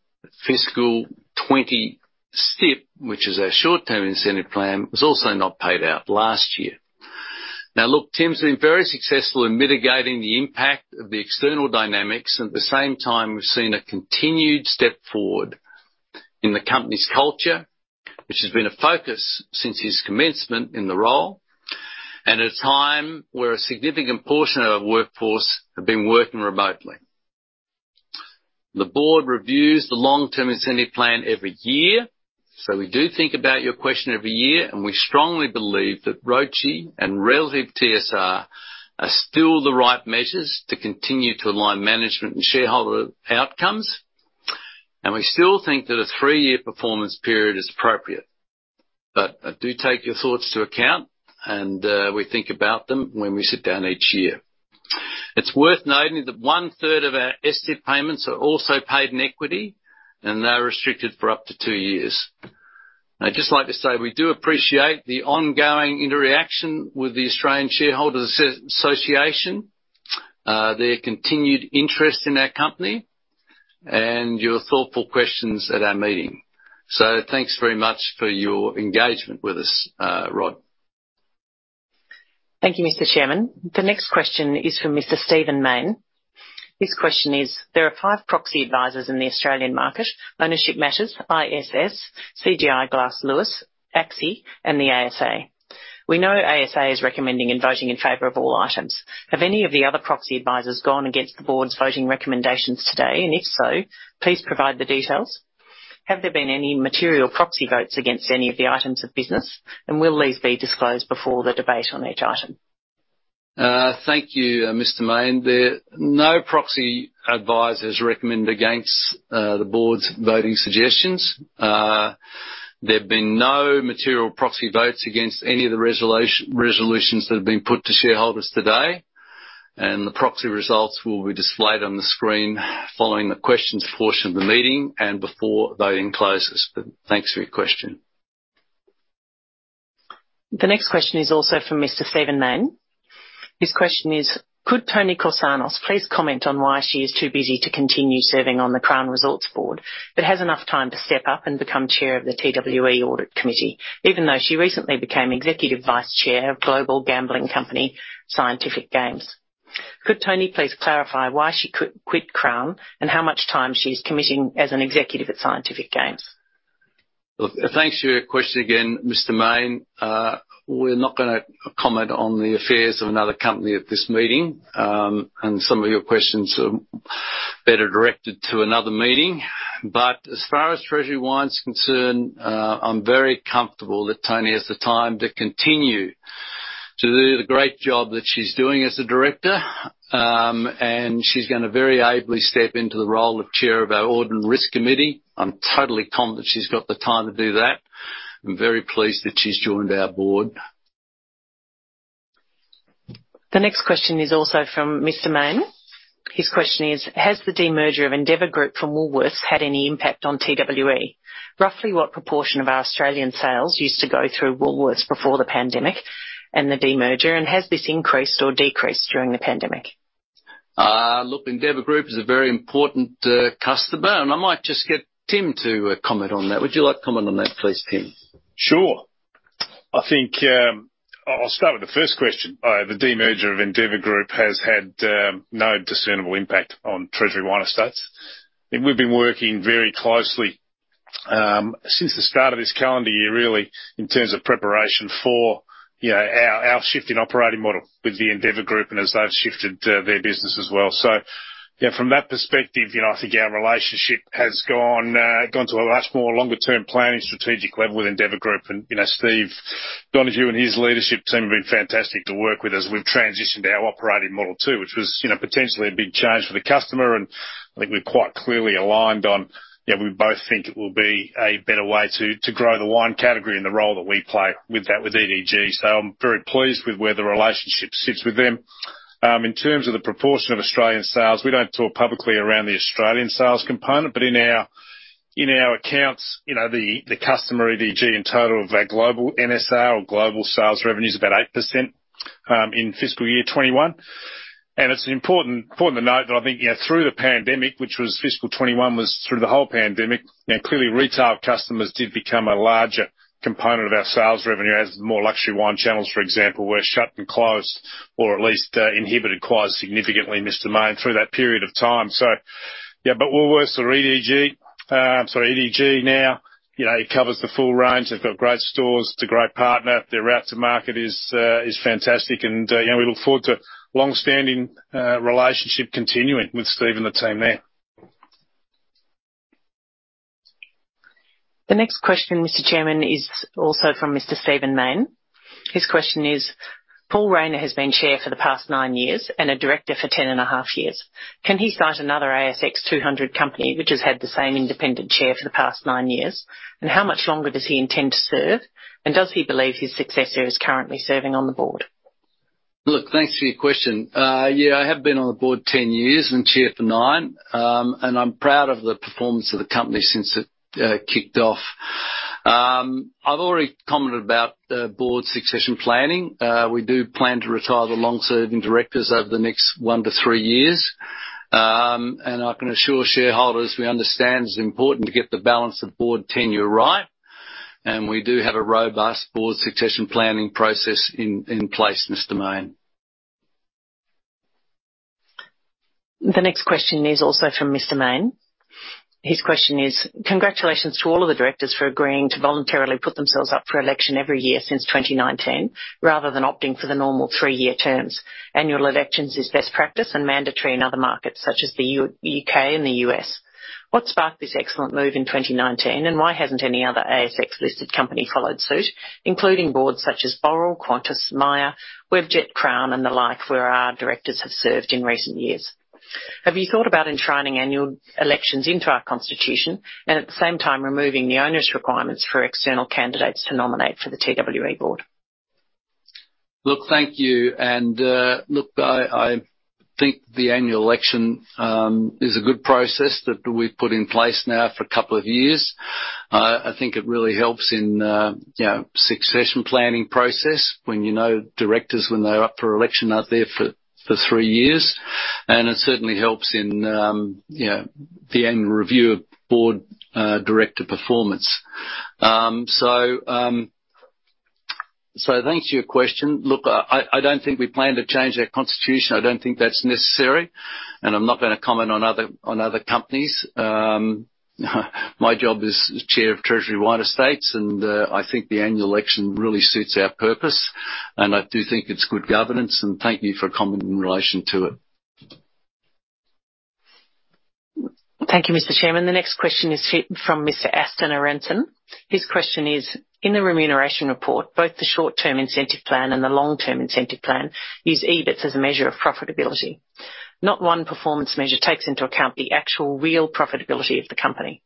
[SPEAKER 1] fiscal 2020 STIP, which is our short-term incentive plan, was also not paid out last year. Tim's been very successful in mitigating the impact of the external dynamics. At the same time, we've seen a continued step forward in the company's culture, which has been a focus since his commencement in the role, at a time where a significant portion of our workforce have been working remotely. The Board reviews the long-term incentive plan every year, so we do think about your question every year, and we strongly believe that ROCE and relative TSR are still the right measures to continue to align management and shareholder outcomes. We still think that a three-year performance period is appropriate, but I do take your thoughts into account, and we think about them when we sit down each year. It's worth noting that one-third of our STI payments are also paid in equity, and they're restricted for up to two years. I'd just like to say, we do appreciate the ongoing interaction with the Australian Shareholders' Association, their continued interest in our company, and your thoughtful questions at our meeting. Thanks very much for your engagement with us, Rod.
[SPEAKER 6] Thank you, Mr. Chairman. The next question is from Mr. Steven [Main. His question is: There are five proxy advisors in the Australian market: Ownership Matters, ISS, CGI Glass Lewis, ACSI, and the ASA. We know ASA is recommending and voting in favor of all items. Have any of the other proxy advisors gone against the Board's voting recommendations today? If so, please provide the details. Have there been any material proxy votes against any of the items of business? Will these be disclosed before the debate on each item?
[SPEAKER 1] Thank you, Mr. Steven [Main]. No proxy advisors recommend against the Board's voting suggestions. There have been no material proxy votes against any of the resolutions that have been put to shareholders today, and the proxy results will be displayed on the screen following the questions portion of the meeting and before voting closes. Thanks for your question.
[SPEAKER 6] The next question is also from Mr. Steven [Main]. His question is: Could Toni Korsanos please comment on why she is too busy to continue serving on the Crown Resorts Board but has enough time to step up and become Chair of the TWE Audit Committee, even though she recently became Executive Vice Chair of global gambling company, Scientific Games? Could Toni please clarify why she quit Crown and how much time she is committing as an Executive at Scientific Games?
[SPEAKER 1] Look, thanks for your question again, Mr. [Main]. We're not gonna comment on the affairs of another company at this meeting. Some of your questions are better directed to another meeting. As far as Treasury Wine is concerned, I'm very comfortable that Toni has the time to continue to do the great job that she's doing as a Director. She's gonna very ably step into the role of Chair of our Audit and Risk Committee. I'm totally confident she's got the time to do that. I'm very pleased that she's joined our Board.
[SPEAKER 6] The next question is also from Mr. [Main]. His question is: Has the demerger of Endeavour Group from Woolworths had any impact on TWE? Roughly what proportion of our Australian sales used to go through Woolworths before the pandemic and the demerger, and has this increased or decreased during the pandemic?
[SPEAKER 1] Look, Endeavour Group is a very important customer, and I might just get Tim to comment on that. Would you like to comment on that, please, Tim?
[SPEAKER 2] Sure. I think I'll start with the first question. The demerger of Endeavour Group has had no discernible impact on Treasury Wine Estates. We've been working very closely, since the start of this calendar year, really, in terms of preparation for our shift in operating model with the Endeavour Group and as they've shifted their business as well. Yeah, from that perspective, I think our relationship has gone to a much more longer-term planning strategic level with Endeavour Group. Steve Donohue and his leadership team have been fantastic to work with as we've transitioned our operating model, too, which was potentially a big change for the customer, and I think we're quite clearly aligned on Yeah, we both think it will be a better way to grow the wine category and the role that we play with that with EDG. I'm very pleased with where the relationship sits with them. In terms of the proportion of Australian sales, we don't talk publicly around the Australian sales component, but in our accounts, the customer EDG in total of our global NSR or global sales revenue is about 8% in fiscal year 2021. It's important to note that I think through the pandemic, which was fiscal 2021 was through the whole pandemic, and clearly retail customers did become a larger component of our sales revenue as the more luxury wine channels, for example, were shut and closed, or at least inhibited quite significantly, Mr. [Main], through that period of time. Yeah. Woolworths or EDG, sorry, EDG now, it covers the full range. They've got great stores. It's a great partner. Their route to market is fantastic. We look forward to long-standing relationship continuing with Steve and the team there.
[SPEAKER 6] The next question, Mr. Chairman, is also from Mr. Steven [Main]. His question is: Paul Rayner has been Chair for the past nine years and a Director for ten and a half years. Can he cite another ASX 200 company which has had the same Independent Chair for the past nine years? How much longer does he intend to serve? Does he believe his successor is currently serving on the Board?
[SPEAKER 1] Look, thanks for your question. Yeah, I have been on the Board 10 years and Chair for nine years. I'm proud of the performance of the company since it kicked off. I've already commented about Board succession planning. We do plan to retire the long-serving directors over the next one year-three years. I can assure shareholders we understand it's important to get the balance of Board tenure right, and we do have a robust Board succession planning process in place, Mr. [Main].
[SPEAKER 6] The next question is also from Mr. [Main]. His question is: Congratulations to all of the Directors for agreeing to voluntarily put themselves up for election every year since 2019, rather than opting for the normal three-year terms. Annual elections is best practice and mandatory in other markets, such as the U.K. and the U.S. What sparked this excellent move in 2019, and why hasn't any other ASX-listed company followed suit, including Boards such as Boral, Qantas, Myer, Webjet, Crown, and the like, where our Directors have served in recent years? Have you thought about enshrining annual elections into our constitution and at the same time removing the onerous requirements for external candidates to nominate for the TWE Board?
[SPEAKER 1] Thank you. I think the annual election is a good process that we've put in place now for a couple of years. I think it really helps in succession planning process when you know Directors when they're up for election, are there for three years. It certainly helps in the annual review of Board Director performance. Thanks for your question. I don't think we plan to change our constitution. I don't think that's necessary. I'm not going to comment on other companies. My job is Chair of Treasury Wine Estates, and I think the annual election really suits our purpose, and I do think it's good governance, and thank you for commenting in relation to it.
[SPEAKER 6] Thank you, Mr. Chairman. The next question is from Mr. Aston Aronson. His question is: In the remuneration report, both the short-term incentive plan and the long-term incentive plan use EBIT as a measure of profitability. Not one performance measure takes into account the actual real profitability of the company.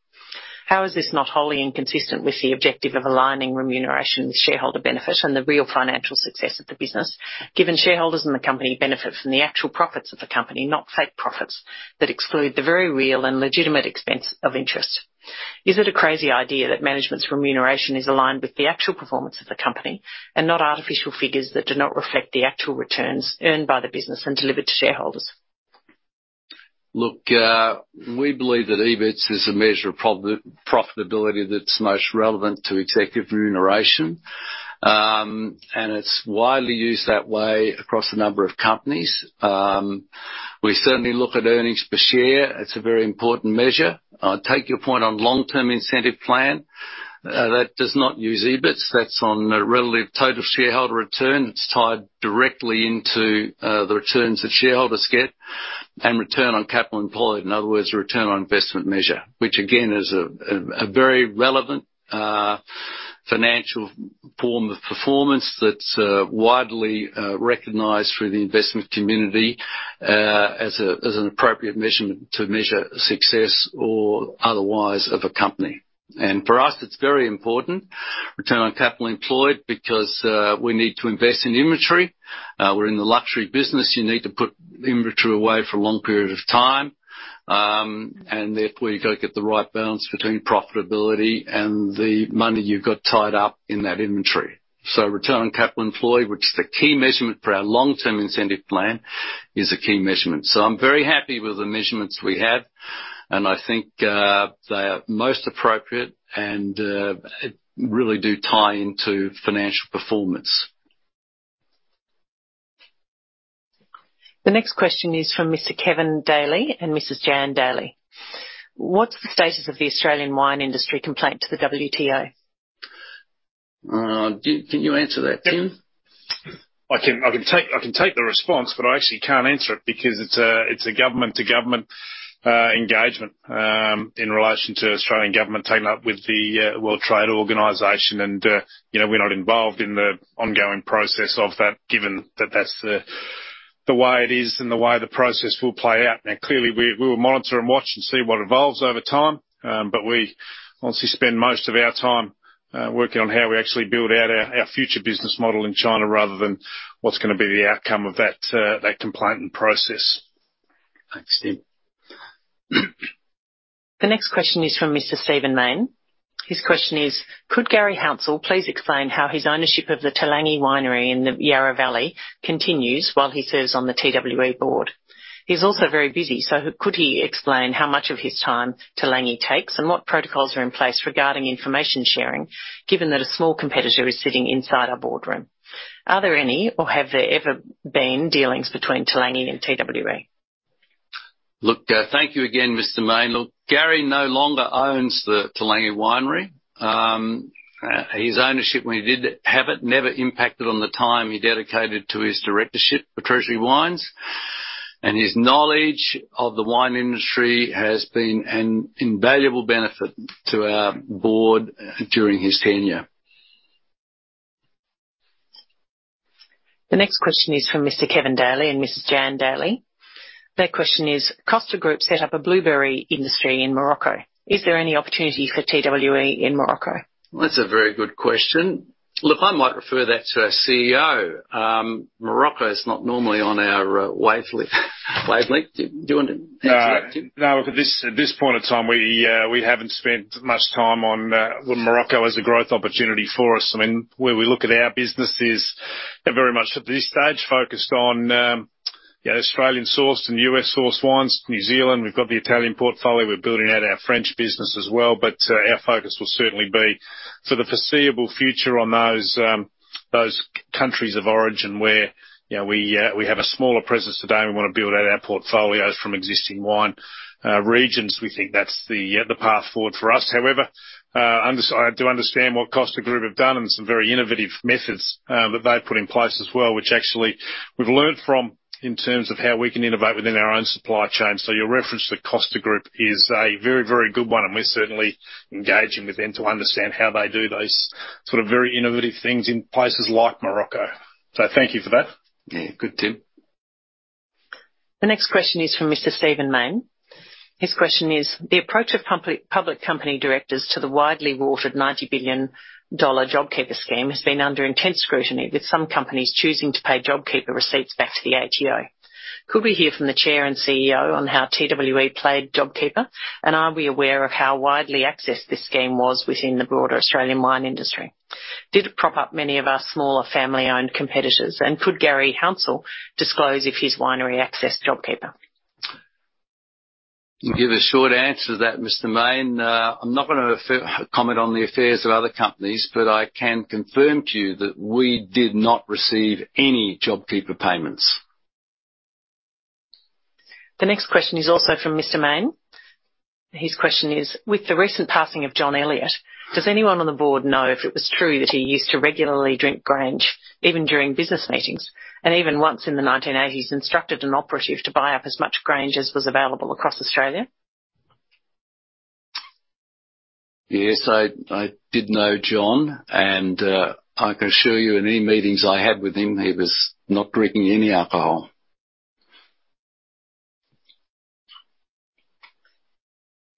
[SPEAKER 6] How is this not wholly inconsistent with the objective of aligning remuneration with shareholder benefit and the real financial success of the business, given shareholders and the company benefit from the actual profits of the company, not fake profits that exclude the very real and legitimate expense of interest? Is it a crazy idea that management's remuneration is aligned with the actual performance of the company and not artificial figures that do not reflect the actual returns earned by the business and delivered to shareholders?
[SPEAKER 1] Look, we believe that EBIT is a measure of profitability that's most relevant to Executive remuneration, and it's widely used that way across a number of companies. We certainly look at earnings per share. It's a very important measure. I take your point on long-term incentive plan. That does not use EBIT. That's on a relative total shareholder return. It's tied directly into the returns that shareholders get and return on capital employed. In other words, return on investment measure, which again, is a very relevant financial form of performance that's widely recognized through the investment community as an appropriate measurement to measure success or otherwise of a company. And for us, it's very important, return on capital employed, because we need to invest in inventory. We're in the luxury business. You need to put inventory away for a long period of time, and therefore, you got to get the right balance between profitability and the money you've got tied up in that inventory. Return on capital employed, which is the key measurement for our long-term incentive plan, is a key measurement. I'm very happy with the measurements we have, and I think they are most appropriate and really do tie into financial performance.
[SPEAKER 6] The next question is from Mr. Kevin Daly and Mrs. Jan Daly. What's the status of the Australian wine industry complaint to the WTO?
[SPEAKER 1] Can you answer that, Tim?
[SPEAKER 2] Yep. I can take the response, but I actually can't answer it because it's a Government-to-Government engagement in relation to Australian government taking up with the World Trade Organization. We're not involved in the ongoing process of that, given that that's the way it is and the way the process will play out. Now, clearly, we will monitor and watch and see what evolves over time. We obviously spend most of our time working on how we actually build out our future business model in China rather than what's going to be the outcome of that complaint and process.
[SPEAKER 1] Thanks, Tim.
[SPEAKER 6] The next question is from Mr. Steven [Main]. His question is: Could Garry Hounsell please explain how his ownership of the Toolangi Winery in the Yarra Valley continues while he serves on the TWE Board? He's also very busy, could he explain how much of his time Toolangi takes and what protocols are in place regarding information sharing, given that a small competitor is sitting inside our Boardroom? Are there any or have there ever been dealings between Toolangi and TWE?
[SPEAKER 1] Look, thank you again, Mr. [Main]. Look, Garry no longer owns the Toolangi Winery. His ownership, when he did have it, never impacted on the time he dedicated to his directorship for Treasury Wine Estates, and his knowledge of the wine industry has been an invaluable benefit to our Board during his tenure.
[SPEAKER 6] The next question is from Mr. Kevin Daly and Mrs. Jan Daly. Their question is: Costa Group set up a blueberry industry in Morocco. Is there any opportunity for TWE in Morocco?
[SPEAKER 1] That's a very good question. Look, I might refer that to our Chief Executive Officer. Morocco is not normally on our wavelength. Wavelength. Do you want to answer that, Tim?
[SPEAKER 2] No. At this point in time, we haven't spent much time on Morocco as a growth opportunity for us. Where we look at our business is very much, at this stage, focused on Australian-sourced and U.S.-sourced wines, New Zealand. We've got the Italian portfolio. We're building out our French business as well. Our focus will certainly be, for the foreseeable future, on those countries of origin where we have a smaller presence today, and we want to build out our portfolios from existing wine regions. We think that's the path forward for us. However, I do understand what Costa Group have done, and some very innovative methods that they've put in place as well, which actually we've learned from in terms of how we can innovate within our own supply chain. Your reference to Costa Group is a very, very good one, and we're certainly engaging with them to understand how they do those sort of very innovative things in places like Morocco. Thank you for that.
[SPEAKER 1] Yeah. Good, Tim.
[SPEAKER 6] The next question is from Mr. Steven [Main]. His question is: The approach of public company Directors to the widely watered $90 billion JobKeeper scheme has been under intense scrutiny, with some companies choosing to pay JobKeeper receipts back to the ATO. Could we hear from the chair and Chief Executive Officer on how TWE played JobKeeper? Are we aware of how widely accessed this scheme was within the broader Australian wine industry? Did it prop up many of our smaller family-owned competitors? Could Garry Hounsell disclose if his winery accessed JobKeeper?
[SPEAKER 1] I'll give a short answer to that, Mr. [Main]. I'm not going to comment on the affairs of other companies, but I can confirm to you that we did not receive any JobKeeper payments.
[SPEAKER 6] The next question is also from Mr. [Main]. His question is: With the recent passing of John Elliott, does anyone on the Board know if it was true that he used to regularly drink Grange, even during business meetings, and even once in the 1980s, instructed an operative to buy up as much Grange as was available across Australia?
[SPEAKER 1] Yes, I did know John, and I can assure you, in any meetings I had with him, he was not drinking any alcohol.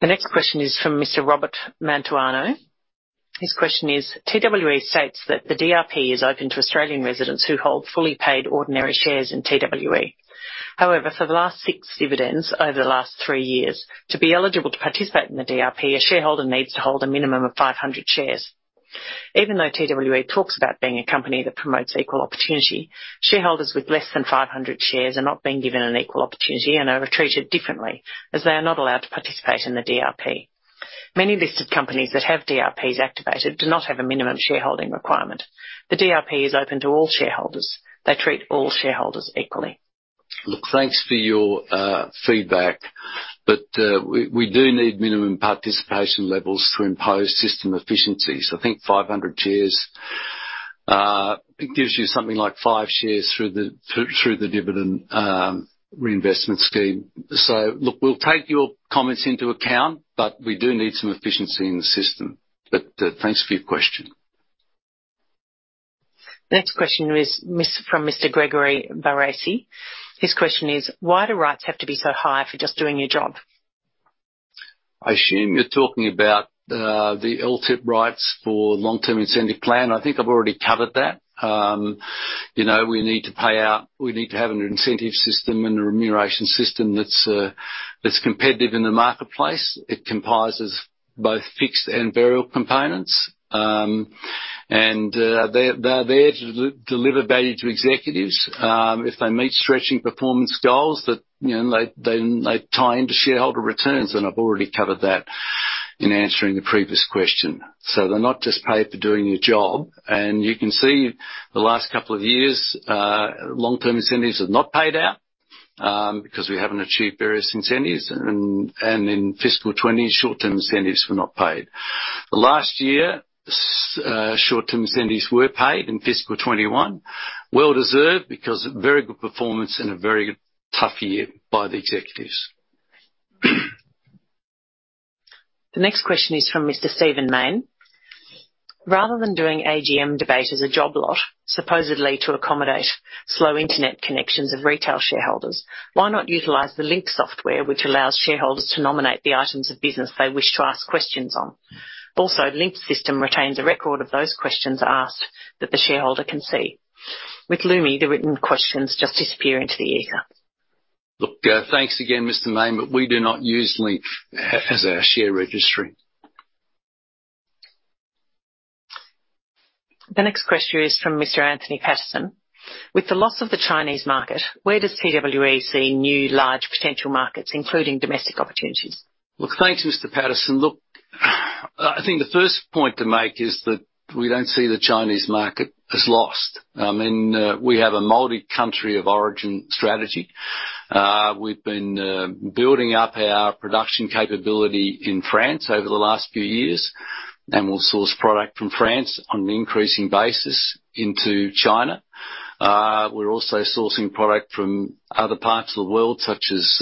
[SPEAKER 6] The next question is from Mr. Robert Mantuano. His question is: TWE states that the DRP is open to Australian residents who hold fully paid ordinary shares in TWE. However, for the last six dividends over the last three years, to be eligible to participate in the DRP, a shareholder needs to hold a minimum of 500 shares. Even though TWE talks about being a company that promotes equal opportunity, shareholders with less than 500 shares are not being given an equal opportunity and are treated differently as they are not allowed to participate in the DRP. Many listed companies that have DRPs activated do not have a minimum shareholding requirement. The DRP is open to all shareholders. They treat all shareholders equally.
[SPEAKER 1] Thanks for your feedback, we do need minimum participation levels to impose system efficiencies. I think 500 shares gives you something like five shares through the dividend reinvestment scheme. We'll take your comments into account, we do need some efficiency in the system. Thanks for your question.
[SPEAKER 6] The next question is from Mr. Gregory Baraci. His question is: Why do rights have to be so high for just doing your job?
[SPEAKER 1] I assume you're talking about the LTIP rights for long-term incentive plan. I think I've already covered that. We need to have an incentive system and a remuneration system that's competitive in the marketplace. It comprises both fixed and variable components. They're there to deliver value to Executives. If they meet stretching performance goals, they tie into shareholder returns. I've already covered that in answering the previous question. They're not just paid for doing your job. You can see the last couple of years, long-term incentives are not paid out because we haven't achieved various incentives. In fiscal 2020, short-term incentives were not paid. Last year, short-term incentives were paid in fiscal 2021, well-deserved, because of very good performance in a very tough year by the Executives.
[SPEAKER 6] The next question is from Mr. Steven [Main]. Rather than doing AGM debate as a job lot, supposedly to accommodate slow internet connections of retail shareholders, why not utilize the Link software, which allows shareholders to nominate the items of business they wish to ask questions on? Link system retains a record of those questions asked that the shareholder can see. With Lumi, the written questions just disappear into the ether.
[SPEAKER 1] Look, thanks again, Mr. [Main], but we do not use Link as our share registry.
[SPEAKER 6] The next question is from Mr. Anthony Patterson. With the loss of the Chinese market, where does TWE see new large potential markets, including domestic opportunities?
[SPEAKER 1] Look, thanks, Mr. Patterson. Look, I think the first point to make is that we don't see the Chinese market as lost. We have a multi-country of origin strategy. We've been building up our production capability in France over the last few years, and we'll source product from France on an increasing basis into China. We're also sourcing product from other parts of the world, such as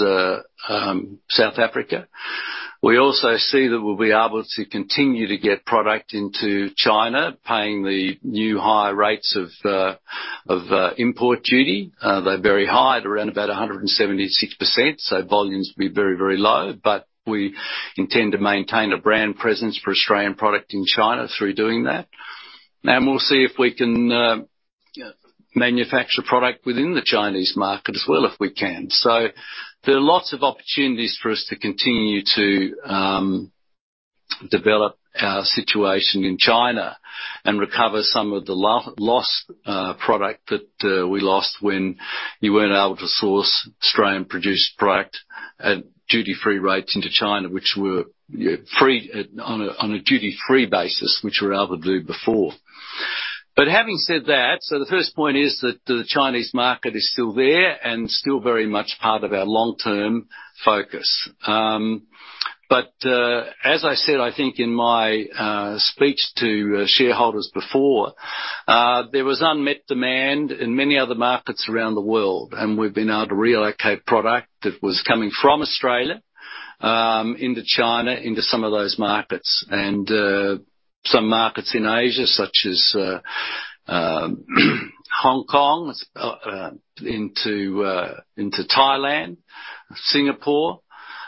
[SPEAKER 1] South Africa. We also see that we'll be able to continue to get product into China, paying the new high rates of import duty. They're very high at around about 176%, so volumes will be very low, but we intend to maintain a brand presence for Australian product in China through doing that. We'll see if we can manufacture product within the Chinese market as well if we can. There are lots of opportunities for us to continue to develop our situation in China and recover some of the lost product that we lost when you weren't able to source Australian-produced product at duty-free rates into China, on a duty-free basis, which we were able to do before. Having said that, the first point is that the Chinese market is still there and still very much part of our long-term focus. As I said, I think, in my speech to shareholders before, there was unmet demand in many other markets around the world, and we've been able to reallocate product that was coming from Australia into China into some of those markets. Some markets in Asia, such as Hong Kong, into Thailand, Singapore,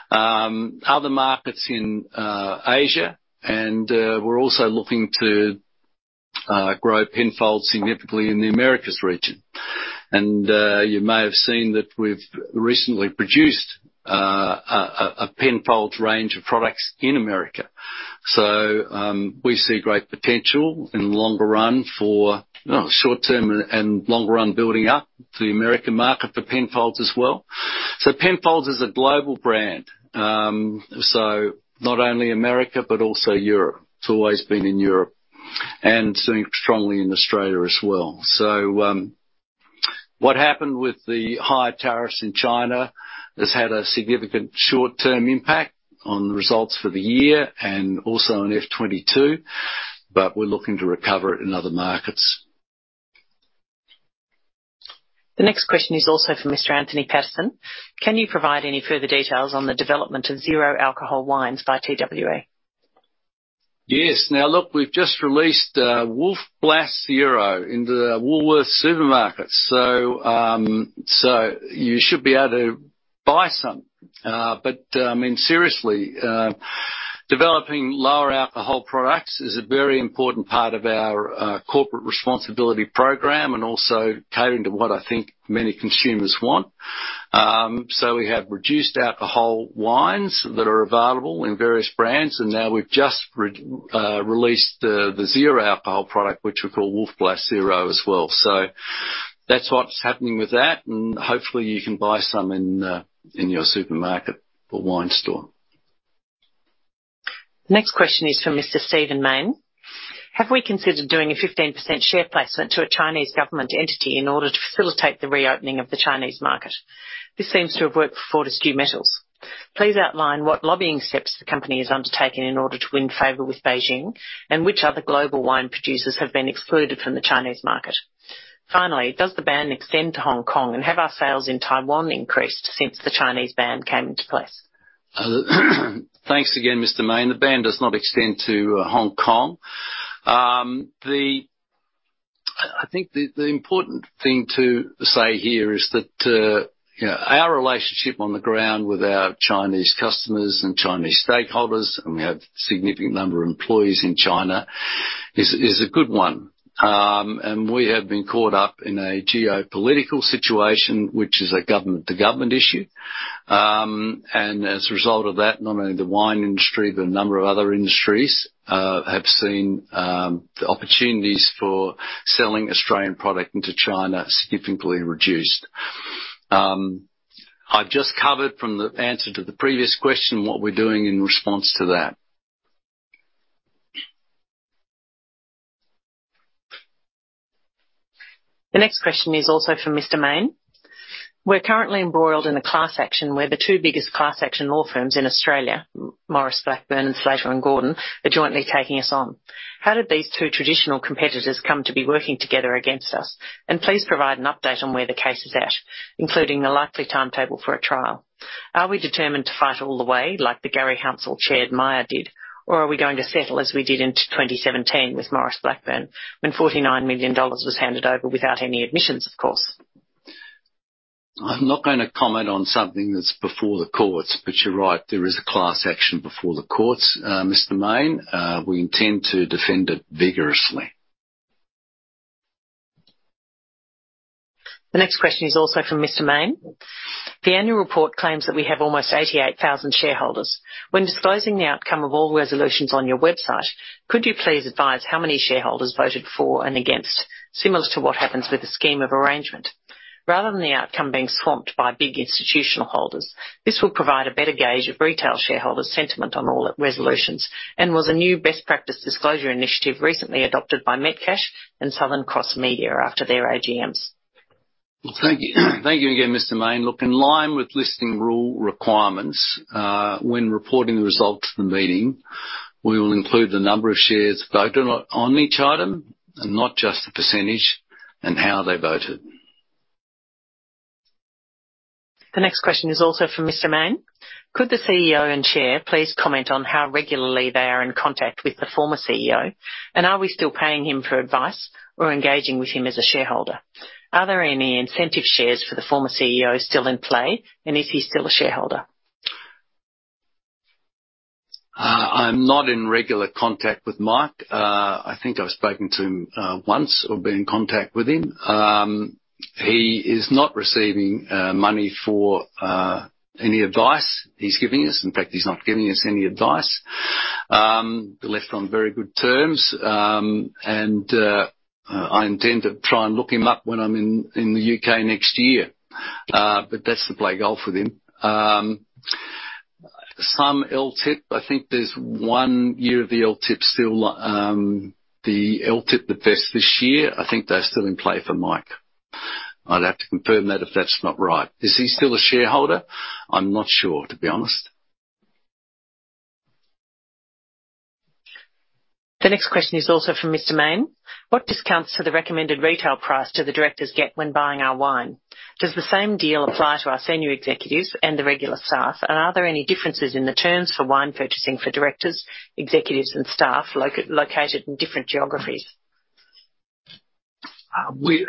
[SPEAKER 1] other markets in Asia, and we're also looking to grow Penfolds significantly in the Americas region. You may have seen that we've recently produced a Penfolds range of products in America. We see great potential in the short term and longer run building up the American market for Penfolds as well. Penfolds is a global brand. Not only America, but also Europe. It's always been in Europe, and sitting strongly in Australia as well. What happened with the higher tariffs in China has had a significant short-term impact on the results for the year, and also on FY 2022, but we're looking to recover it in other markets.
[SPEAKER 6] The next question is also from Mr. Anthony Patterson. Can you provide any further details on the development of zero-alcohol wines by TWE?
[SPEAKER 1] Yes. Now, look, we've just released Wolf Blass Zero into the Woolworths supermarkets, so you should be able to buy some. I mean, seriously, developing lower alcohol products is a very important part of our corporate responsibility program and also catering to what I think many consumers want. We have reduced-alcohol wines that are available in various brands, and now we've just released the zero-alcohol product, which we call Wolf Blass Zero as well. That's what's happening with that, and hopefully you can buy some in your supermarket or wine store.
[SPEAKER 6] Next question is from Mr. Steven [Main]. Have we considered doing a 15% share placement to a Chinese government entity in order to facilitate the reopening of the Chinese market? This seems to have worked for Fortescue Metals. Please outline what lobbying steps the company is undertaking in order to win favor with Beijing, and which other global wine producers have been excluded from the Chinese market. Finally, does the ban extend to Hong Kong, and have our sales in Taiwan increased since the Chinese ban came into place?
[SPEAKER 1] Thanks again, Mr. [Main]. The ban does not extend to Hong Kong. I think the important thing to say here is that our relationship on the ground with our Chinese customers and Chinese stakeholders, and we have a significant number of employees in China, is a good one. We have been caught up in a geopolitical situation, which is a government-to-government issue. As a result of that, not only the wine industry, but a number of other industries, have seen the opportunities for selling Australian product into China significantly reduced. I've just covered from the answer to the previous question what we're doing in response to that.
[SPEAKER 6] The next question is also from Mr. [Main]. We're currently embroiled in a class action where the two biggest class action law firms in Australia, Maurice Blackburn and Slater and Gordon, are jointly taking us on. How did these two traditional competitors come to be working together against us? Please provide an update on where the case is at, including the likely timetable for a trial. Are we determined to fight all the way, like the Garry Hounsell-Chaired Myer did, or are we going to settle as we did in 2017 with Maurice Blackburn when $49 million was handed over without any admissions, of course?
[SPEAKER 1] I'm not gonna comment on something that's before the courts. You're right, there is a class action before the courts, Mr. [Main]. We intend to defend it vigorously.
[SPEAKER 6] The next question is also from Mr. Steven [Main]. The annual report claims that we have almost 88,000 shareholders. When disclosing the outcome of all resolutions on your website, could you please advise how many shareholders voted for and against, similar to what happens with a scheme of arrangement? Rather than the outcome being swamped by big institutional holders, this will provide a better gauge of retail shareholders' sentiment on all resolutions and was a new best practice disclosure initiative recently adopted by Metcash and Southern Cross Media after their AGMs.
[SPEAKER 1] Thank you. Thank you again, Mr. [Main]. Look, in line with listing rule requirements, when reporting the results of the meeting, we will include the number of shares voted on each item, and not just the percentage, and how they voted.
[SPEAKER 6] The next question is also from Mr. [Main]. Could the Chief Executive Officer and Chair please comment on how regularly they are in contact with the former Chief Executive Officer, and are we still paying him for advice or engaging with him as a shareholder? Are there any incentive shares for the former Chief Executive Officer still in play, and is he still a shareholder?
[SPEAKER 1] I'm not in regular contact with Mike. I think I've spoken to him once or been in contact with him. He is not receiving money for any advice he's giving us. In fact, he's not giving us any advice. We left on very good terms. I intend to try and look him up when I'm in the U.K. next year. That's to play golf with him. Some LTIP. I think there's one year of the LTIP still. The LTIP that vests this year, I think they're still in play for Mike. I'd have to confirm that if that's not right. Is he still a shareholder? I'm not sure, to be honest.
[SPEAKER 6] The next question is also from Mr. Steven [Main]. What discounts to the recommended retail price do the directors get when buying our wine? Does the same deal apply to our Senior Executives and the regular staff? Are there any differences in the terms for wine purchasing for directors, executives, and staff located in different geographies?
[SPEAKER 1] We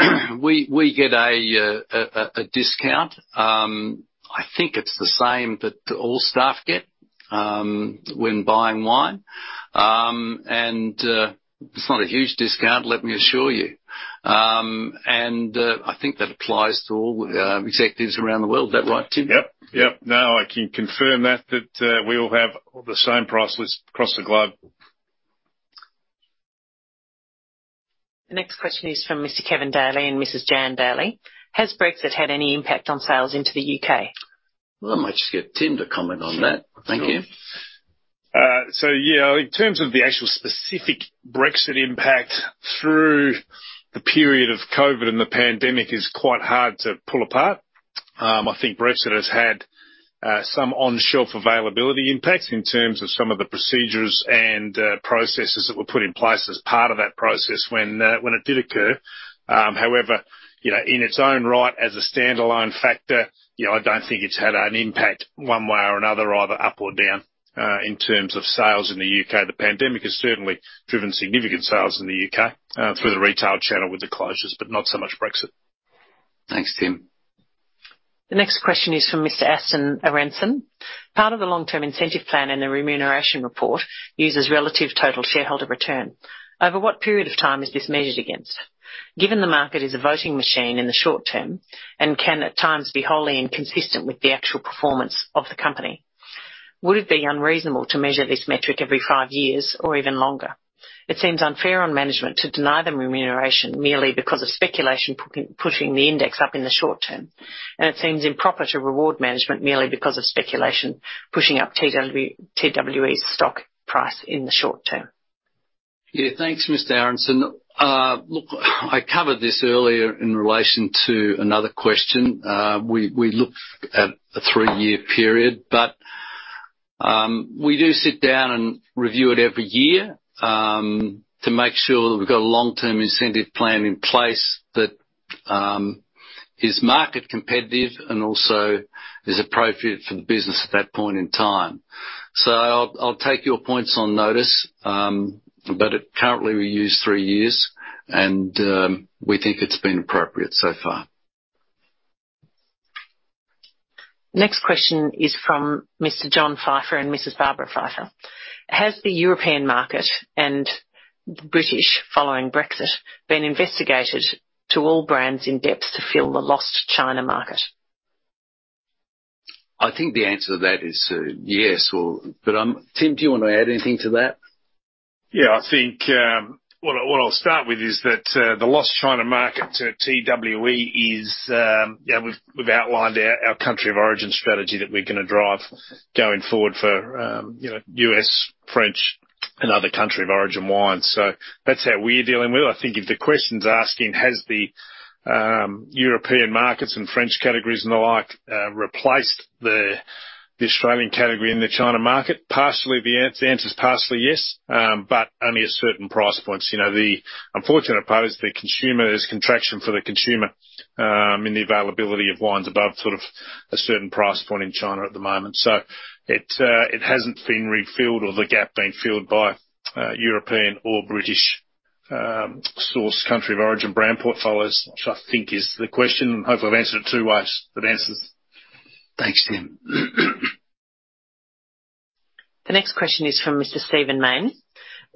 [SPEAKER 1] get a discount. I think it's the same that all staff get when buying wine. It's not a huge discount, let me assure you. I think that applies to all executives around the world. Is that right, Tim?
[SPEAKER 2] Yep. No, I can confirm that we all have the same price list across the globe.
[SPEAKER 6] The next question is from Mr. Kevin Daly and Mrs. Jan Daly. Has Brexit had any impact on sales into the U.K.?
[SPEAKER 1] Well, I might just get Tim to comment on that. Thank you.
[SPEAKER 2] Sure. Yeah, in terms of the actual specific Brexit impact through the period of COVID and the pandemic is quite hard to pull apart. I think Brexit has had some on-shelf availability impacts in terms of some of the procedures and processes that were put in place as part of that process when it did occur. However, in its own right, as a standalone factor, I don't think it's had an impact one way or another, either up or down, in terms of sales in the U.K. The pandemic has certainly driven significant sales in the U.K., through the retail channel with the closures, but not so much Brexit.
[SPEAKER 1] Thanks, Tim.
[SPEAKER 6] The next question is from Mr. Aston Aronson. Part of the long-term incentive plan and the remuneration report uses relative total shareholder return. Over what period of time is this measured against? Given the market is a voting machine in the short term and can at times be wholly inconsistent with the actual performance of the company, would it be unreasonable to measure this metric every five years or even longer? It seems unfair on management to deny them remuneration merely because of speculation pushing the index up in the short term. It seems improper to reward management merely because of speculation pushing up TWE's stock price in the short term.
[SPEAKER 1] Yeah. Thanks, Mr. Aronson. Look, I covered this earlier in relation to another question. We look at a three-year period, but we do sit down and review it every year, to make sure that we've got a long-term incentive plan in place that is market competitive and also is appropriate for the business at that point in time. I'll take your points on notice, but currently, we use three years, and we think it's been appropriate so far.
[SPEAKER 6] Next question is from Mr. John Pfeiffer and Mrs. Barbara Pfeiffer. Has the European market and British, following Brexit, been investigated to all brands in depth to fill the lost China market?
[SPEAKER 1] I think the answer to that is yes. Tim, do you want to add anything to that?
[SPEAKER 2] I think what I'll start with is that the lost China market to TWE is, we've outlined our country of origin strategy that we're going to drive going forward for U.S., French, and other country of origin wines. That's how we're dealing with it. I think if the question's asking has the European markets and French categories and the like, replaced the Australian category in the China market, the answer's partially yes, but only at certain price points. The unfortunate part is the consumer, there's contraction for the consumer, in the availability of wines above a certain price point in China at the moment. It hasn't been refilled or the gap being filled by European or British source country of origin brand portfolios, which I think is the question, and hopefully I've answered it two ways, answers.
[SPEAKER 1] Thanks, Tim.
[SPEAKER 6] The next question is from Mr. Steven [Main].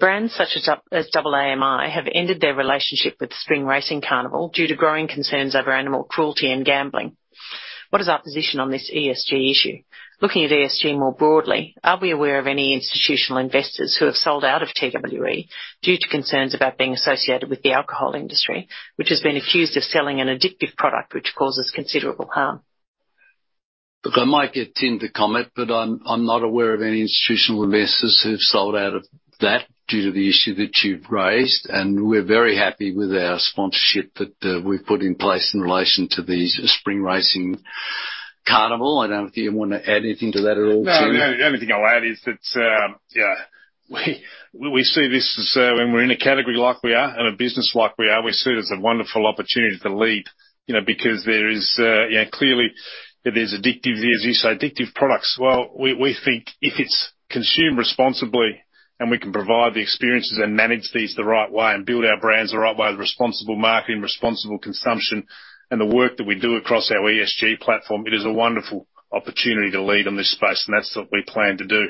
[SPEAKER 6] Brands such as AAMI have ended their relationship with Spring Racing Carnival due to growing concerns over animal cruelty and gambling. What is our position on this ESG issue? Looking at ESG more broadly, are we aware of any institutional investors who have sold out of TWE due to concerns about being associated with the alcohol industry, which has been accused of selling an addictive product which causes considerable harm?
[SPEAKER 1] Look, I might get Tim to comment, but I'm not aware of any institutional investors who've sold out of that due to the issue that you've raised, and we're very happy with our sponsorship that we've put in place in relation to the Spring Racing Carnival. I don't know if you want to add anything to that at all, Tim.
[SPEAKER 2] The only thing I'll add is that, we see this as when we're in a category like we are and a business like we are, we see it as a wonderful opportunity to lead, because there is, clearly, there's addictive, as you say, addictive products. Well, we think if it's consumed responsibly and we can provide the experiences and manage these the right way and build our brands the right way with responsible marketing, responsible consumption, and the work that we do across our ESG platform, it is a wonderful opportunity to lead in this space, and that's what we plan to do.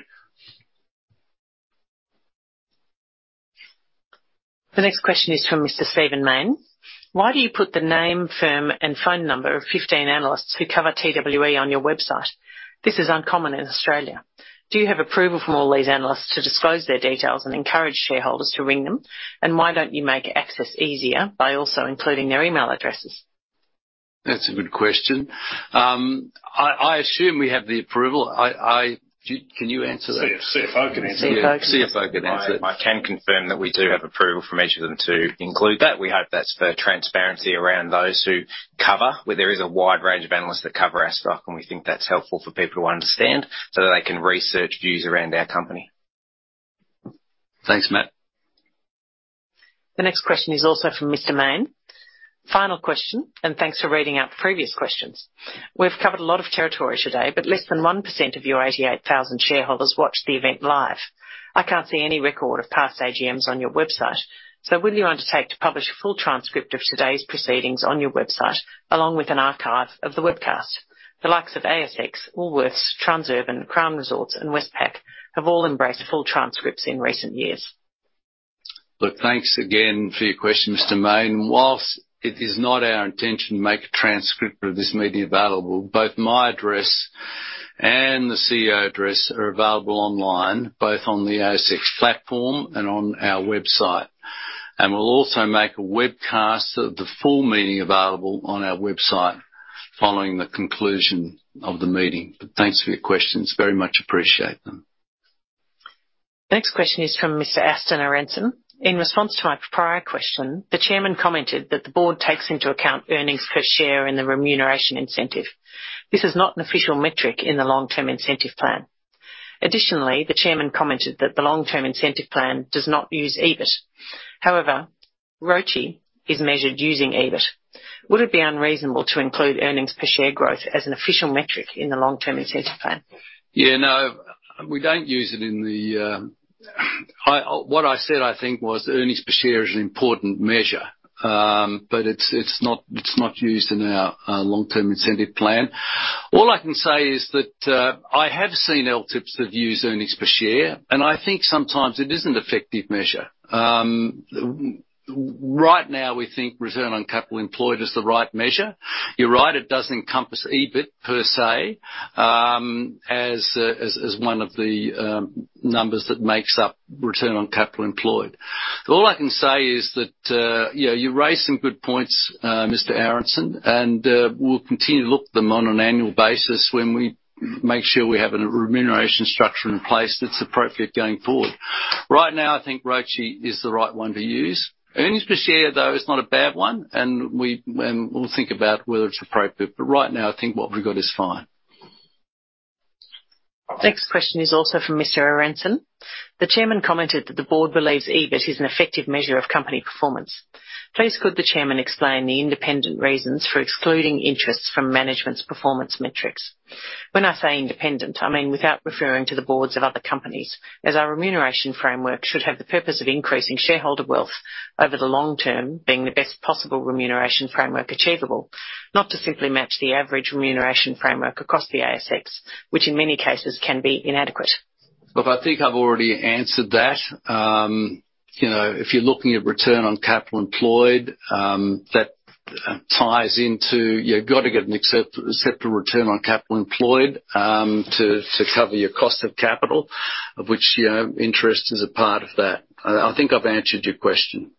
[SPEAKER 6] The next question is from Mr. Steven [Main]. Why do you put the name, firm, and phone number of 15 analysts who cover TWE on your website? This is uncommon in Australia. Do you have approval from all these analysts to disclose their details and encourage shareholders to ring them? Why don't you make access easier by also including their email addresses?
[SPEAKER 1] That's a good question. I assume we have the approval. Can you answer that?
[SPEAKER 2] Chief Financial Officer can answer.
[SPEAKER 6] Chief Financial Officer can answer.
[SPEAKER 1] Yeah, Chief Financial Officer can answer.
[SPEAKER 8] I can confirm that we do have approval from each of them to include that. We hope that's for transparency around those who cover. There is a wide range of analysts that cover our stock, and we think that's helpful for people to understand so that they can research views around our company.
[SPEAKER 1] Thanks, Matt
[SPEAKER 6] The next question is also from Mr. Steven [Main]. Final question. Thanks for reading out the previous questions. We've covered a lot of territory today. Less than 1% of your 88,000 shareholders watched the event live. I can't see any record of past AGMs on your website. Will you undertake to publish a full transcript of today's proceedings on your website, along with an archive of the webcast? The likes of ASX, Woolworths, Transurban, Crown Resorts, and Westpac have all embraced full transcripts in recent years.
[SPEAKER 1] Thanks again for your question, Mr. [Main]. Whilst it is not our intention to make a transcript of this meeting available, both my address and the Chief Executive Officer address are available online, both on the ASX platform and on our website. We'll also make a webcast of the full meeting available on our website following the conclusion of the meeting. Thanks for your questions, very much appreciate them.
[SPEAKER 6] Next question is from Mr. Aston Aronson. In response to my prior question, the chairman commented that the Board takes into account earnings per share in the remuneration incentive. This is not an official metric in the long-term incentive plan. Additionally, the chairman commented that the long-term incentive plan does not use EBIT. However, ROCE is measured using EBIT. Would it be unreasonable to include earnings per share growth as an official metric in the long-term incentive plan?
[SPEAKER 1] Yeah, no. What I said, I think, was earnings per share is an important measure. It's not used in our long-term incentive plan. All I can say is that I have seen LTIPs that use earnings per share, and I think sometimes it is an effective measure. Right now, we think return on capital employed is the right measure. You're right, it does encompass EBIT per se, as one of the numbers that makes up return on capital employed. All I can say is that, you raise some good points, Mr. Aronson. We'll continue to look at them on an annual basis when we make sure we have a remuneration structure in place that's appropriate going forward. Right now, I think ROCE is the right one to use. Earnings per share, though, is not a bad one, and we'll think about whether it's appropriate, but right now I think what we've got is fine.
[SPEAKER 6] Next question is also from Mr. Aronson. The Chairman commented that the Board believes EBIT is an effective measure of company performance. Please could the chairman explain the independent reasons for excluding interests from management's performance metrics? When I say independent, I mean without referring to the Boards of other companies, as our remuneration framework should have the purpose of increasing shareholder wealth over the long term, being the best possible remuneration framework achievable. Not to simply match the average remuneration framework across the ASX, which in many cases can be inadequate.
[SPEAKER 1] Look, I think I've already answered that. If you're looking at return on capital employed, that ties into, you've got to get an acceptable return on capital employed, to cover your cost of capital, of which interest is a part of that. I think I've answered your question.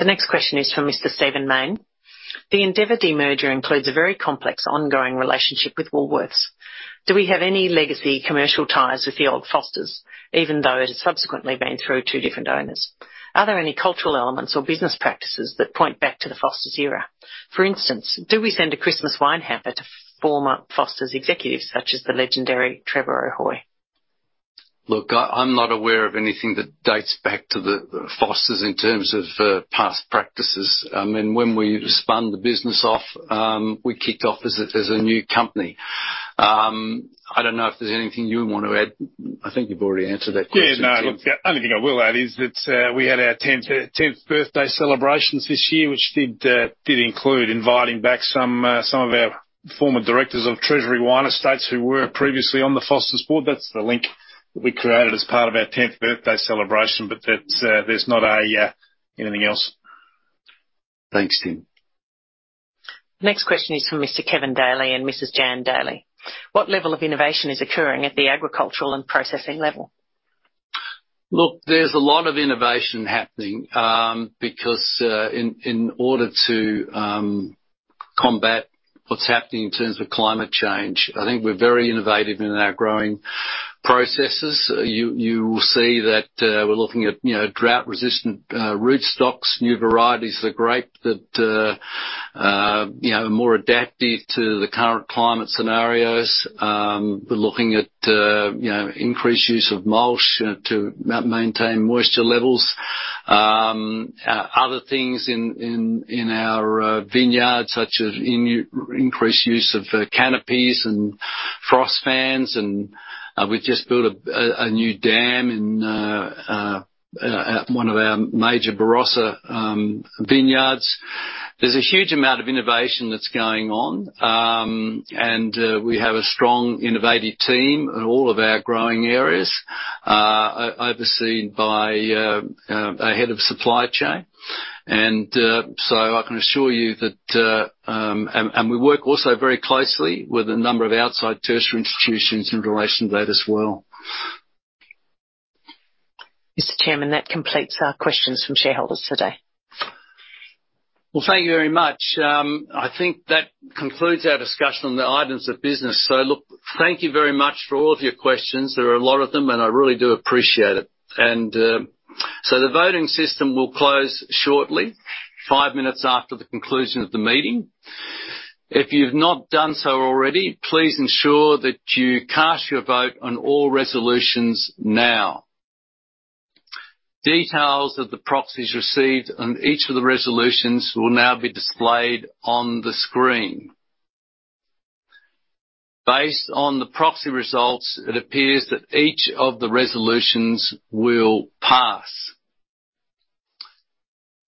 [SPEAKER 6] The next question is from Mr. Steven [Main]. The Endeavour demerger includes a very complex ongoing relationship with Woolworths. Do we have any legacy commercial ties with the old Foster's, even though it has subsequently been through two different owners? Are there any cultural elements or business practices that point back to the Foster's era? For instance, do we send a Christmas wine hamper to former Foster's Executives, such as the legendary Trevor O'Hoy?
[SPEAKER 1] I'm not aware of anything that dates back to Foster's in terms of past practices. When we spun the business off, we kicked off as a new company. I don't know if there's anything you want to add. I think you've already answered that question.
[SPEAKER 2] Yeah, no. Look, the only thing I will add is that we had our 10th birthday celebrations this year, which did include inviting back some of our former Directors of Treasury Wine Estates who were previously on the Foster's Board. That's the link that we created as part of our 10th birthday celebration, but there's not anything else.
[SPEAKER 1] Thanks, Tim.
[SPEAKER 6] Next question is from Mr. Kevin Daly and Mrs. Jan Daly. What level of innovation is occurring at the agricultural and processing level?
[SPEAKER 1] Look, there's a lot of innovation happening, because in order to combat what's happening in terms of climate change, I think we're very innovative in our growing processes. You will see that we're looking at drought-resistant rootstocks, new varieties of the grape that are more adaptive to the current climate scenarios. We're looking at increased use of mulch to maintain moisture levels. Other things in our vineyard, such as increased use of canopies and frost fans, and we've just built a new dam at one of our major Barossa vineyards. There's a huge amount of innovation that's going on, and we have a strong innovative team in all of our growing areas, overseen by our head of supply chain. I can assure you that, and we work also very closely with a number of outside tertiary institutions in relation to that as well.
[SPEAKER 6] Mr. Chairman, that completes our questions from shareholders today.
[SPEAKER 1] Thank you very much. I think that concludes our discussion on the items of business. Thank you very much for all of your questions. There were a lot of them. I really do appreciate it. The voting system will close shortly, five minutes after the conclusion of the meeting. If you've not done so already, please ensure that you cast your vote on all resolutions now. Details of the proxies received on each of the resolutions will now be displayed on the screen. Based on the proxy results, it appears that each of the resolutions will pass.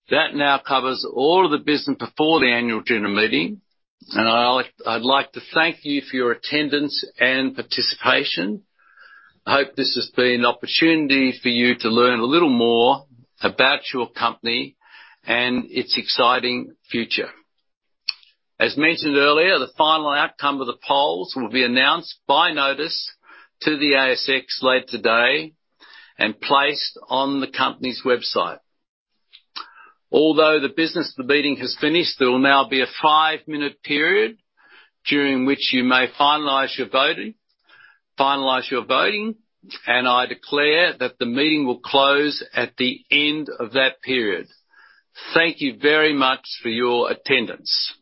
[SPEAKER 1] That now covers all of the business before the Annual General Meeting. I'd like to thank you for your attendance and participation. I hope this has been an opportunity for you to learn a little more about your company and its exciting future. As mentioned earlier, the final outcome of the polls will be announced by notice to the ASX later today and placed on the company's website. Although the business of the meeting has finished, there will now be a five-minute period during which you may finalize your voting. I declare that the meeting will close at the end of that period. Thank you very much for your attendance.